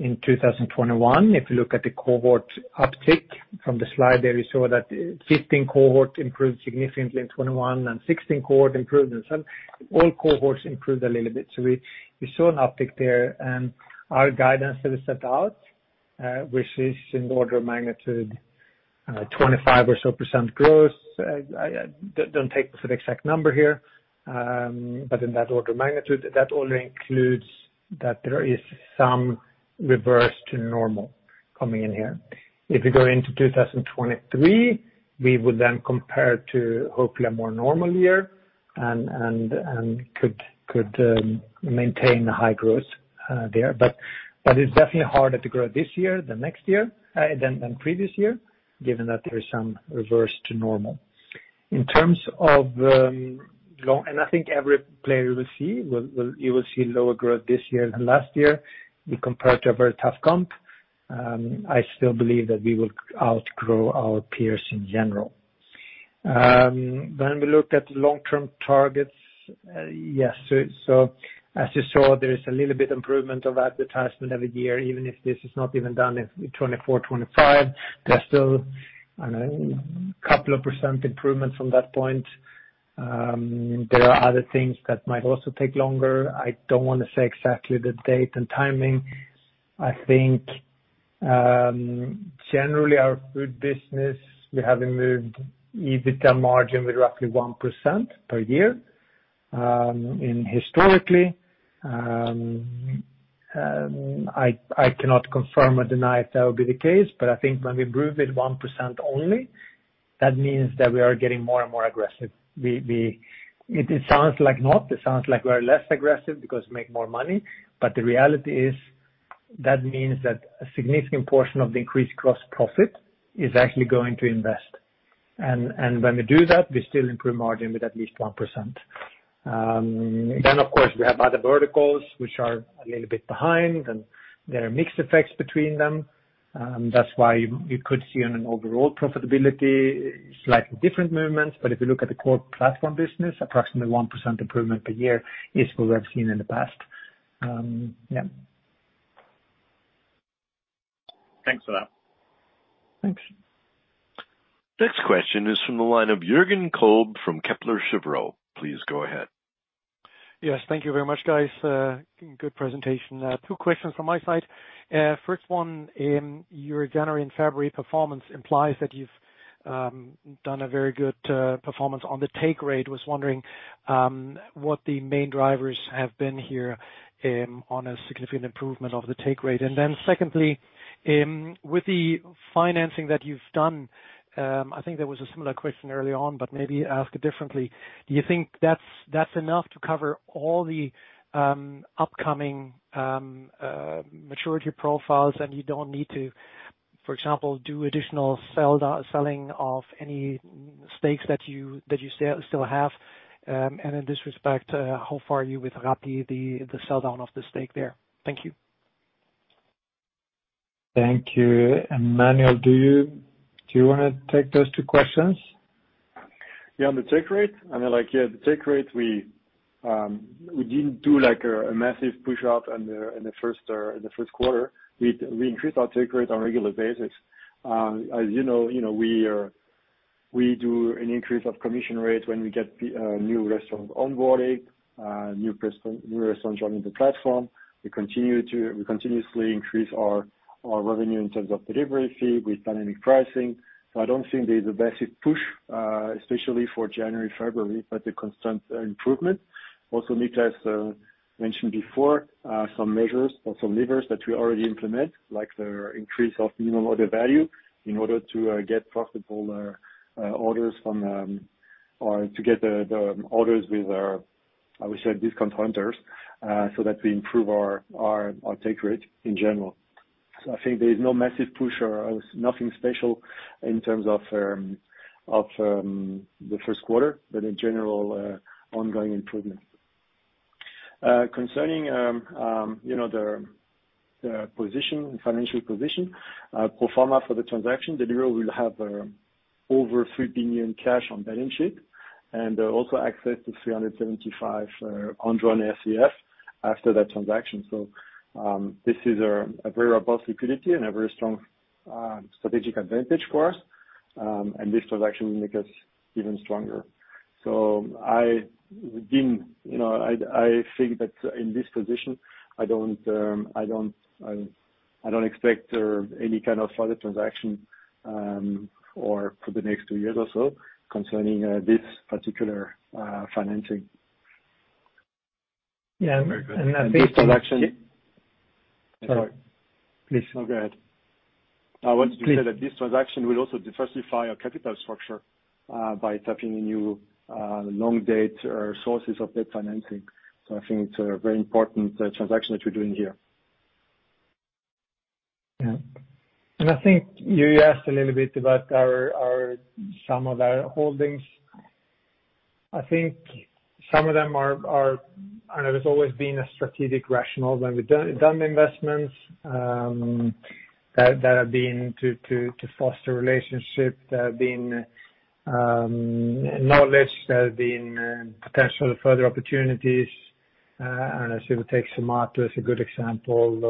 in 2021. If you look at the cohort uptick from the slide there, we saw that 2015 cohort improved significantly in 2021 and 2016 cohort improved in some. All cohorts improved a little bit. We saw an uptick there. Our guidance that we set out, which is in order of magnitude, 25% or so growth. Don't take the exact number here, but in that order of magnitude, that already includes that there is some reversion to normal coming in here. If we go into 2023, we would then compare to hopefully a more normal year and maintain the high growth there. It's definitely harder to grow this year than next year than previous year, given that there is some reversion to normal. I think every player will see lower growth this year than last year. We compare to a very tough comp. I still believe that we will outgrow our peers in general. When we look at long-term targets, yes. As you saw, there is a little bit improvement of advertisement every year, even if this is not even done in 2024-2025. There's still, I don't know, couple of percent improvement from that point. There are other things that might also take longer. I don't wanna say exactly the date and timing. I think, generally our food business, we have improved EBITDA margin with roughly 1% per year, historically. I cannot confirm or deny if that would be the case, but I think when we improve it 1% only, that means that we are getting more and more aggressive. It sounds like not, it sounds like we're less aggressive because we make more money, but the reality is that means that a significant portion of the increased gross profit is actually going to invest. And when we do that, we still improve margin with at least 1%. Of course, we have other verticals which are a little bit behind, and there are mixed effects between them. That's why you could see on an overall profitability slightly different movements. If you look at the core platform business, approximately 1% improvement per year is what we have seen in the past. Yeah. Thanks for that. Thanks. Next question is from the line of Jürgen Kolb from Kepler Cheuvreux. Please go ahead. Yes. Thank you very much, guys. Good presentation. Two questions from my side. First one, in your January and February performance implies that you've done a very good performance on the take rate. Was wondering what the main drivers have been here on a significant improvement of the take rate. Secondly, with the financing that you've done, I think there was a similar question early on, but maybe ask it differently. Do you think that's enough to cover all the upcoming maturity profiles and you don't need to, for example, do additional selling of any stakes that you still have? In this respect, how far are you with Rappi, the sell down of the stake there? Thank you. Thank you. Emmanuel, do you wanna take those two questions? On the take rate, I mean, like, the take rate, we didn't do like a massive push up on the in the first quarter. We increased our take rate on regular basis. As you know, you know, we do an increase of commission rate when we get new restaurant onboarding, new restaurant joining the platform. We continuously increase our revenue in terms of delivery fee with dynamic pricing. I don't think there's a big push, especially for January, February, but a constant improvement. Also, Niklas mentioned before some measures or some levers that we already implement, like the increase of minimum order value in order to get profitable orders from the... To get the orders with our discount hunters so that we improve our take rate in general. I think there is no massive push or nothing special in terms of the first quarter, but in general, ongoing improvement. Concerning you know the financial position pro forma for the transaction, Deliveroo will have over 3 billion cash on balance sheet and also access to 375 undrawn RCF after that transaction. This is a very robust liquidity and a very strong strategic advantage for us. This transaction will make us even stronger. You know, I think that in this position, I don't expect any kind of further transaction for the next two years or so concerning this particular financing. Yeah. I think- This transaction. Sorry. Please. No, go ahead. Please. I wanted to say that this transaction will also diversify our capital structure by tapping the new long-dated sources of debt financing. I think it's a very important transaction that we're doing here. Yeah. I think you asked a little bit about some of our holdings. I think some of them are. I know there's always been a strategic rationale when we've done investments, that have been to foster relationships, that have been knowledge, that have been potential further opportunities. I should take Swiggy as a good example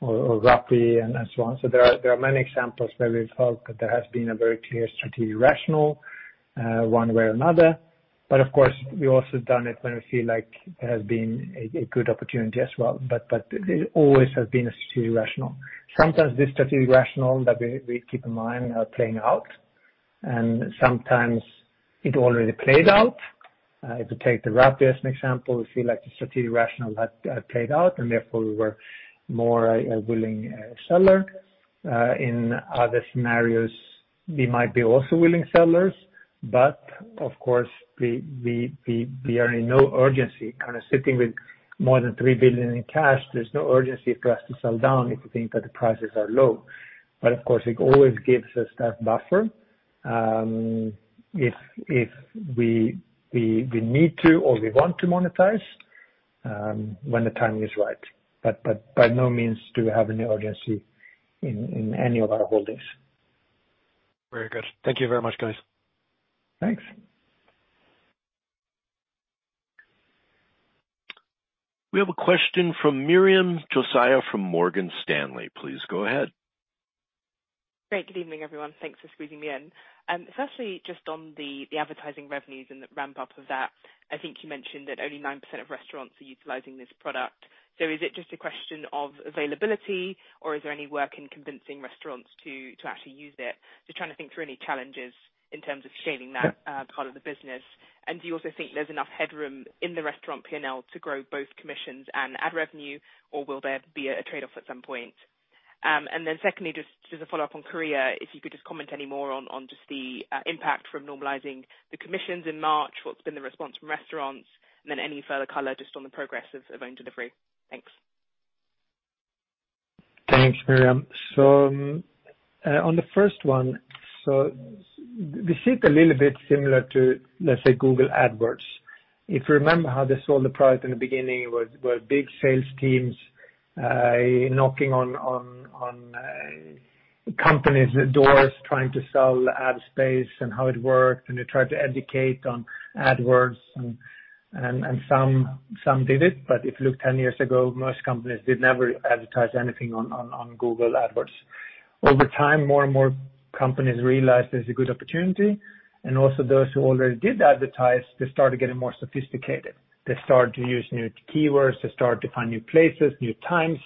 or Rappi and so on. There are many examples where we felt that there has been a very clear strategic rationale, one way or another. Of course, we've also done it when we feel like there has been a good opportunity as well. There always has been a strategic rationale. Sometimes this strategic rationale that we keep in mind are playing out, and sometimes it already played out. If you take the Rappi as an example, we feel like the strategic rationale had played out, and therefore we were more a willing seller. In other scenarios, we might be also willing sellers, but of course, we are in no urgency kinda sitting with more than 3 billion in cash. There's no urgency for us to sell down if we think that the prices are low. Of course, it always gives us that buffer, if we need to or we want to monetize, when the timing is right. By no means do we have any urgency in any of our holdings. Very good. Thank you very much, guys. Thanks. We have a question from Miriam Josiah from Morgan Stanley. Please go ahead. Great. Good evening, everyone. Thanks for squeezing me in. Firstly, just on the advertising revenues and the ramp-up of that, I think you mentioned that only 9% of restaurants are utilizing this product. So is it just a question of availability, or is there any work in convincing restaurants to actually use it? Just trying to think through any challenges in terms of scaling that part of the business. Do you also think there's enough headroom in the restaurant P&L to grow both commissions and ad revenue, or will there be a trade-off at some point? Secondly, just as a follow-up on Korea, if you could just comment any more on the impact from normalizing the commissions in March, what's been the response from restaurants, and then any further color just on the progress of own delivery. Thanks. Thanks, Miriam. On the first one, we see a little bit similar to, let's say, Google Ads. If you remember how they sold the product in the beginning, big sales teams knocking on companies' doors trying to sell ad space and how it worked, and they tried to educate on AdWords and some did it. If you look 10 years ago, most companies never did advertise anything on Google Ads. Over time, more and more companies realized there's a good opportunity, and also those who already did advertise, they started getting more sophisticated. They started to use new keywords, they started to find new places, new times.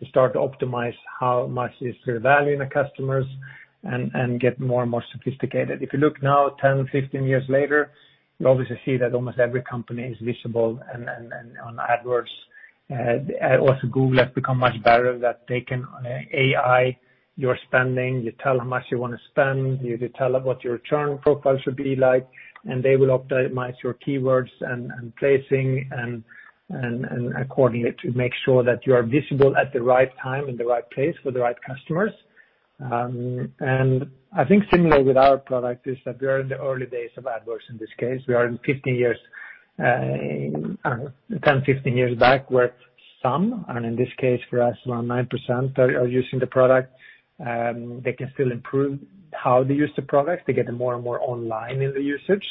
They started to optimize how much is their value in the customers and get more and more sophisticated. If you look now 10-15 years later, you obviously see that almost every company is visible and on AdWords. Also Google has become much better that they can AI your spending. You tell how much you wanna spend, you tell what your return profile should be like, and they will optimize your keywords and placing and accordingly to make sure that you are visible at the right time, in the right place for the right customers. I think similar with our product is that we are in the early days of AdWords in this case. We are 15 years, I don't know, 10-15 years back, where some and in this case for us around 9% are using the product. They can still improve how they use the product. They get more and more online in the usage.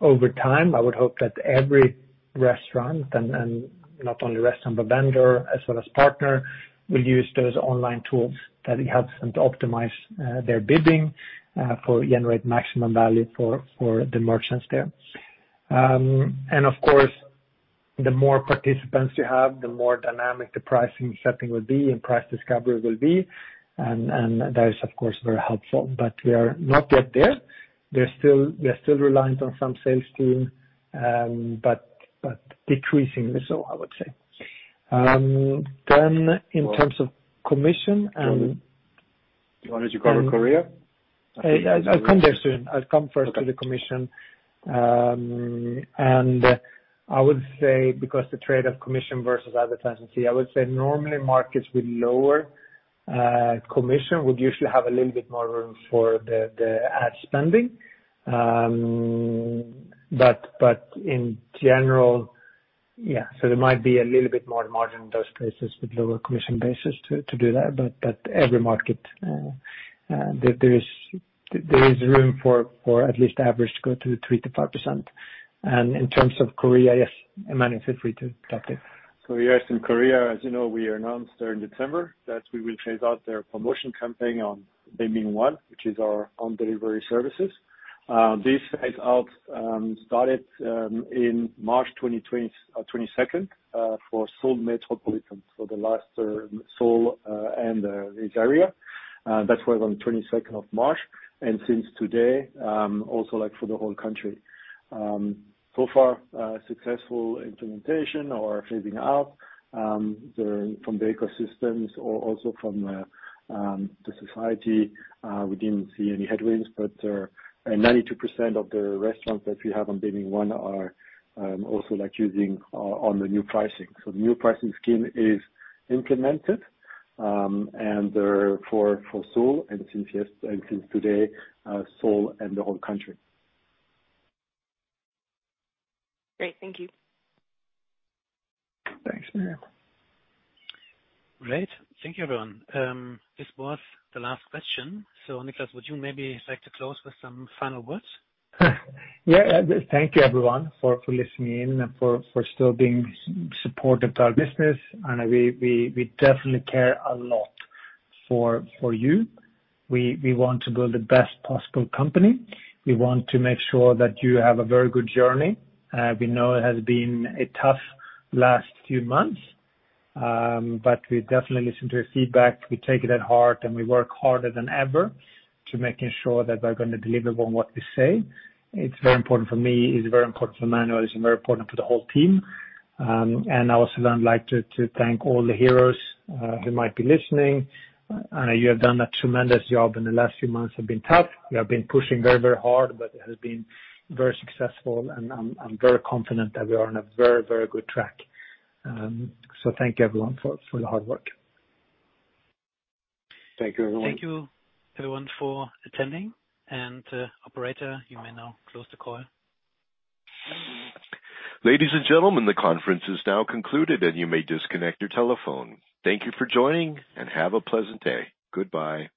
Over time, I would hope that every restaurant and not only restaurant but vendor as well as partner will use those online tools that it helps them to optimize their bidding to generate maximum value for the merchants there. Of course, the more participants you have, the more dynamic the pricing setting will be and price discovery will be. That is of course very helpful. We are not yet there. We are still reliant on some sales team, but decreasingly so, I would say. In terms of commission and- You wanted to cover Korea? I'll come there soon. I'll come first to the commission. I would say because the trade of commission versus advertising fee, I would say normally markets with lower commission would usually have a little bit more room for the ad spending. In general, yeah, so there might be a little bit more margin in those places with lower commission basis to do that. Every market, there is room for at least average to go to 3%-5%. In terms of Korea, yes, Emmanuel, feel free to talk there. Yes, in Korea, as you know, we announced during December that we will phase out their promotion campaign on Baemin 1, which is our own delivery services. This phase out started in March 2022 for Seoul Metropolitan. The last Seoul and this area that was on March 22nd. Since today, also like for the whole country. So far, successful implementation or phasing out from the ecosystems or also from the society. We didn't see any headwinds, but 92% of the restaurants that we have on Baemin 1 are also like using on the new pricing. The new pricing scheme is implemented and for Seoul and since today, Seoul and the whole country. Great. Thank you. Thanks, Miriam. Great. Thank you, everyone. This was the last question. Niklas, would you maybe like to close with some final words? Yeah. Thank you everyone for listening in and for still being supportive to our business. We definitely care a lot for you. We want to build the best possible company. We want to make sure that you have a very good journey. We know it has been a tough last few months, but we definitely listen to your feedback. We take it at heart, and we work harder than ever to making sure that we're gonna deliver on what we say. It's very important for me, it's very important for Emmanuel, it's very important for the whole team. I also like to thank all the heroes who might be listening. You have done a tremendous job. The last few months have been tough. We have been pushing very, very hard, but it has been very successful and I'm very confident that we are on a very, very good track. Thank you everyone for the hard work. Thank you, everyone. Thank you everyone for attending. Operator, you may now close the call. Ladies and gentlemen, the conference is now concluded, and you may disconnect your telephone. Thank you for joining, and have a pleasant day. Goodbye.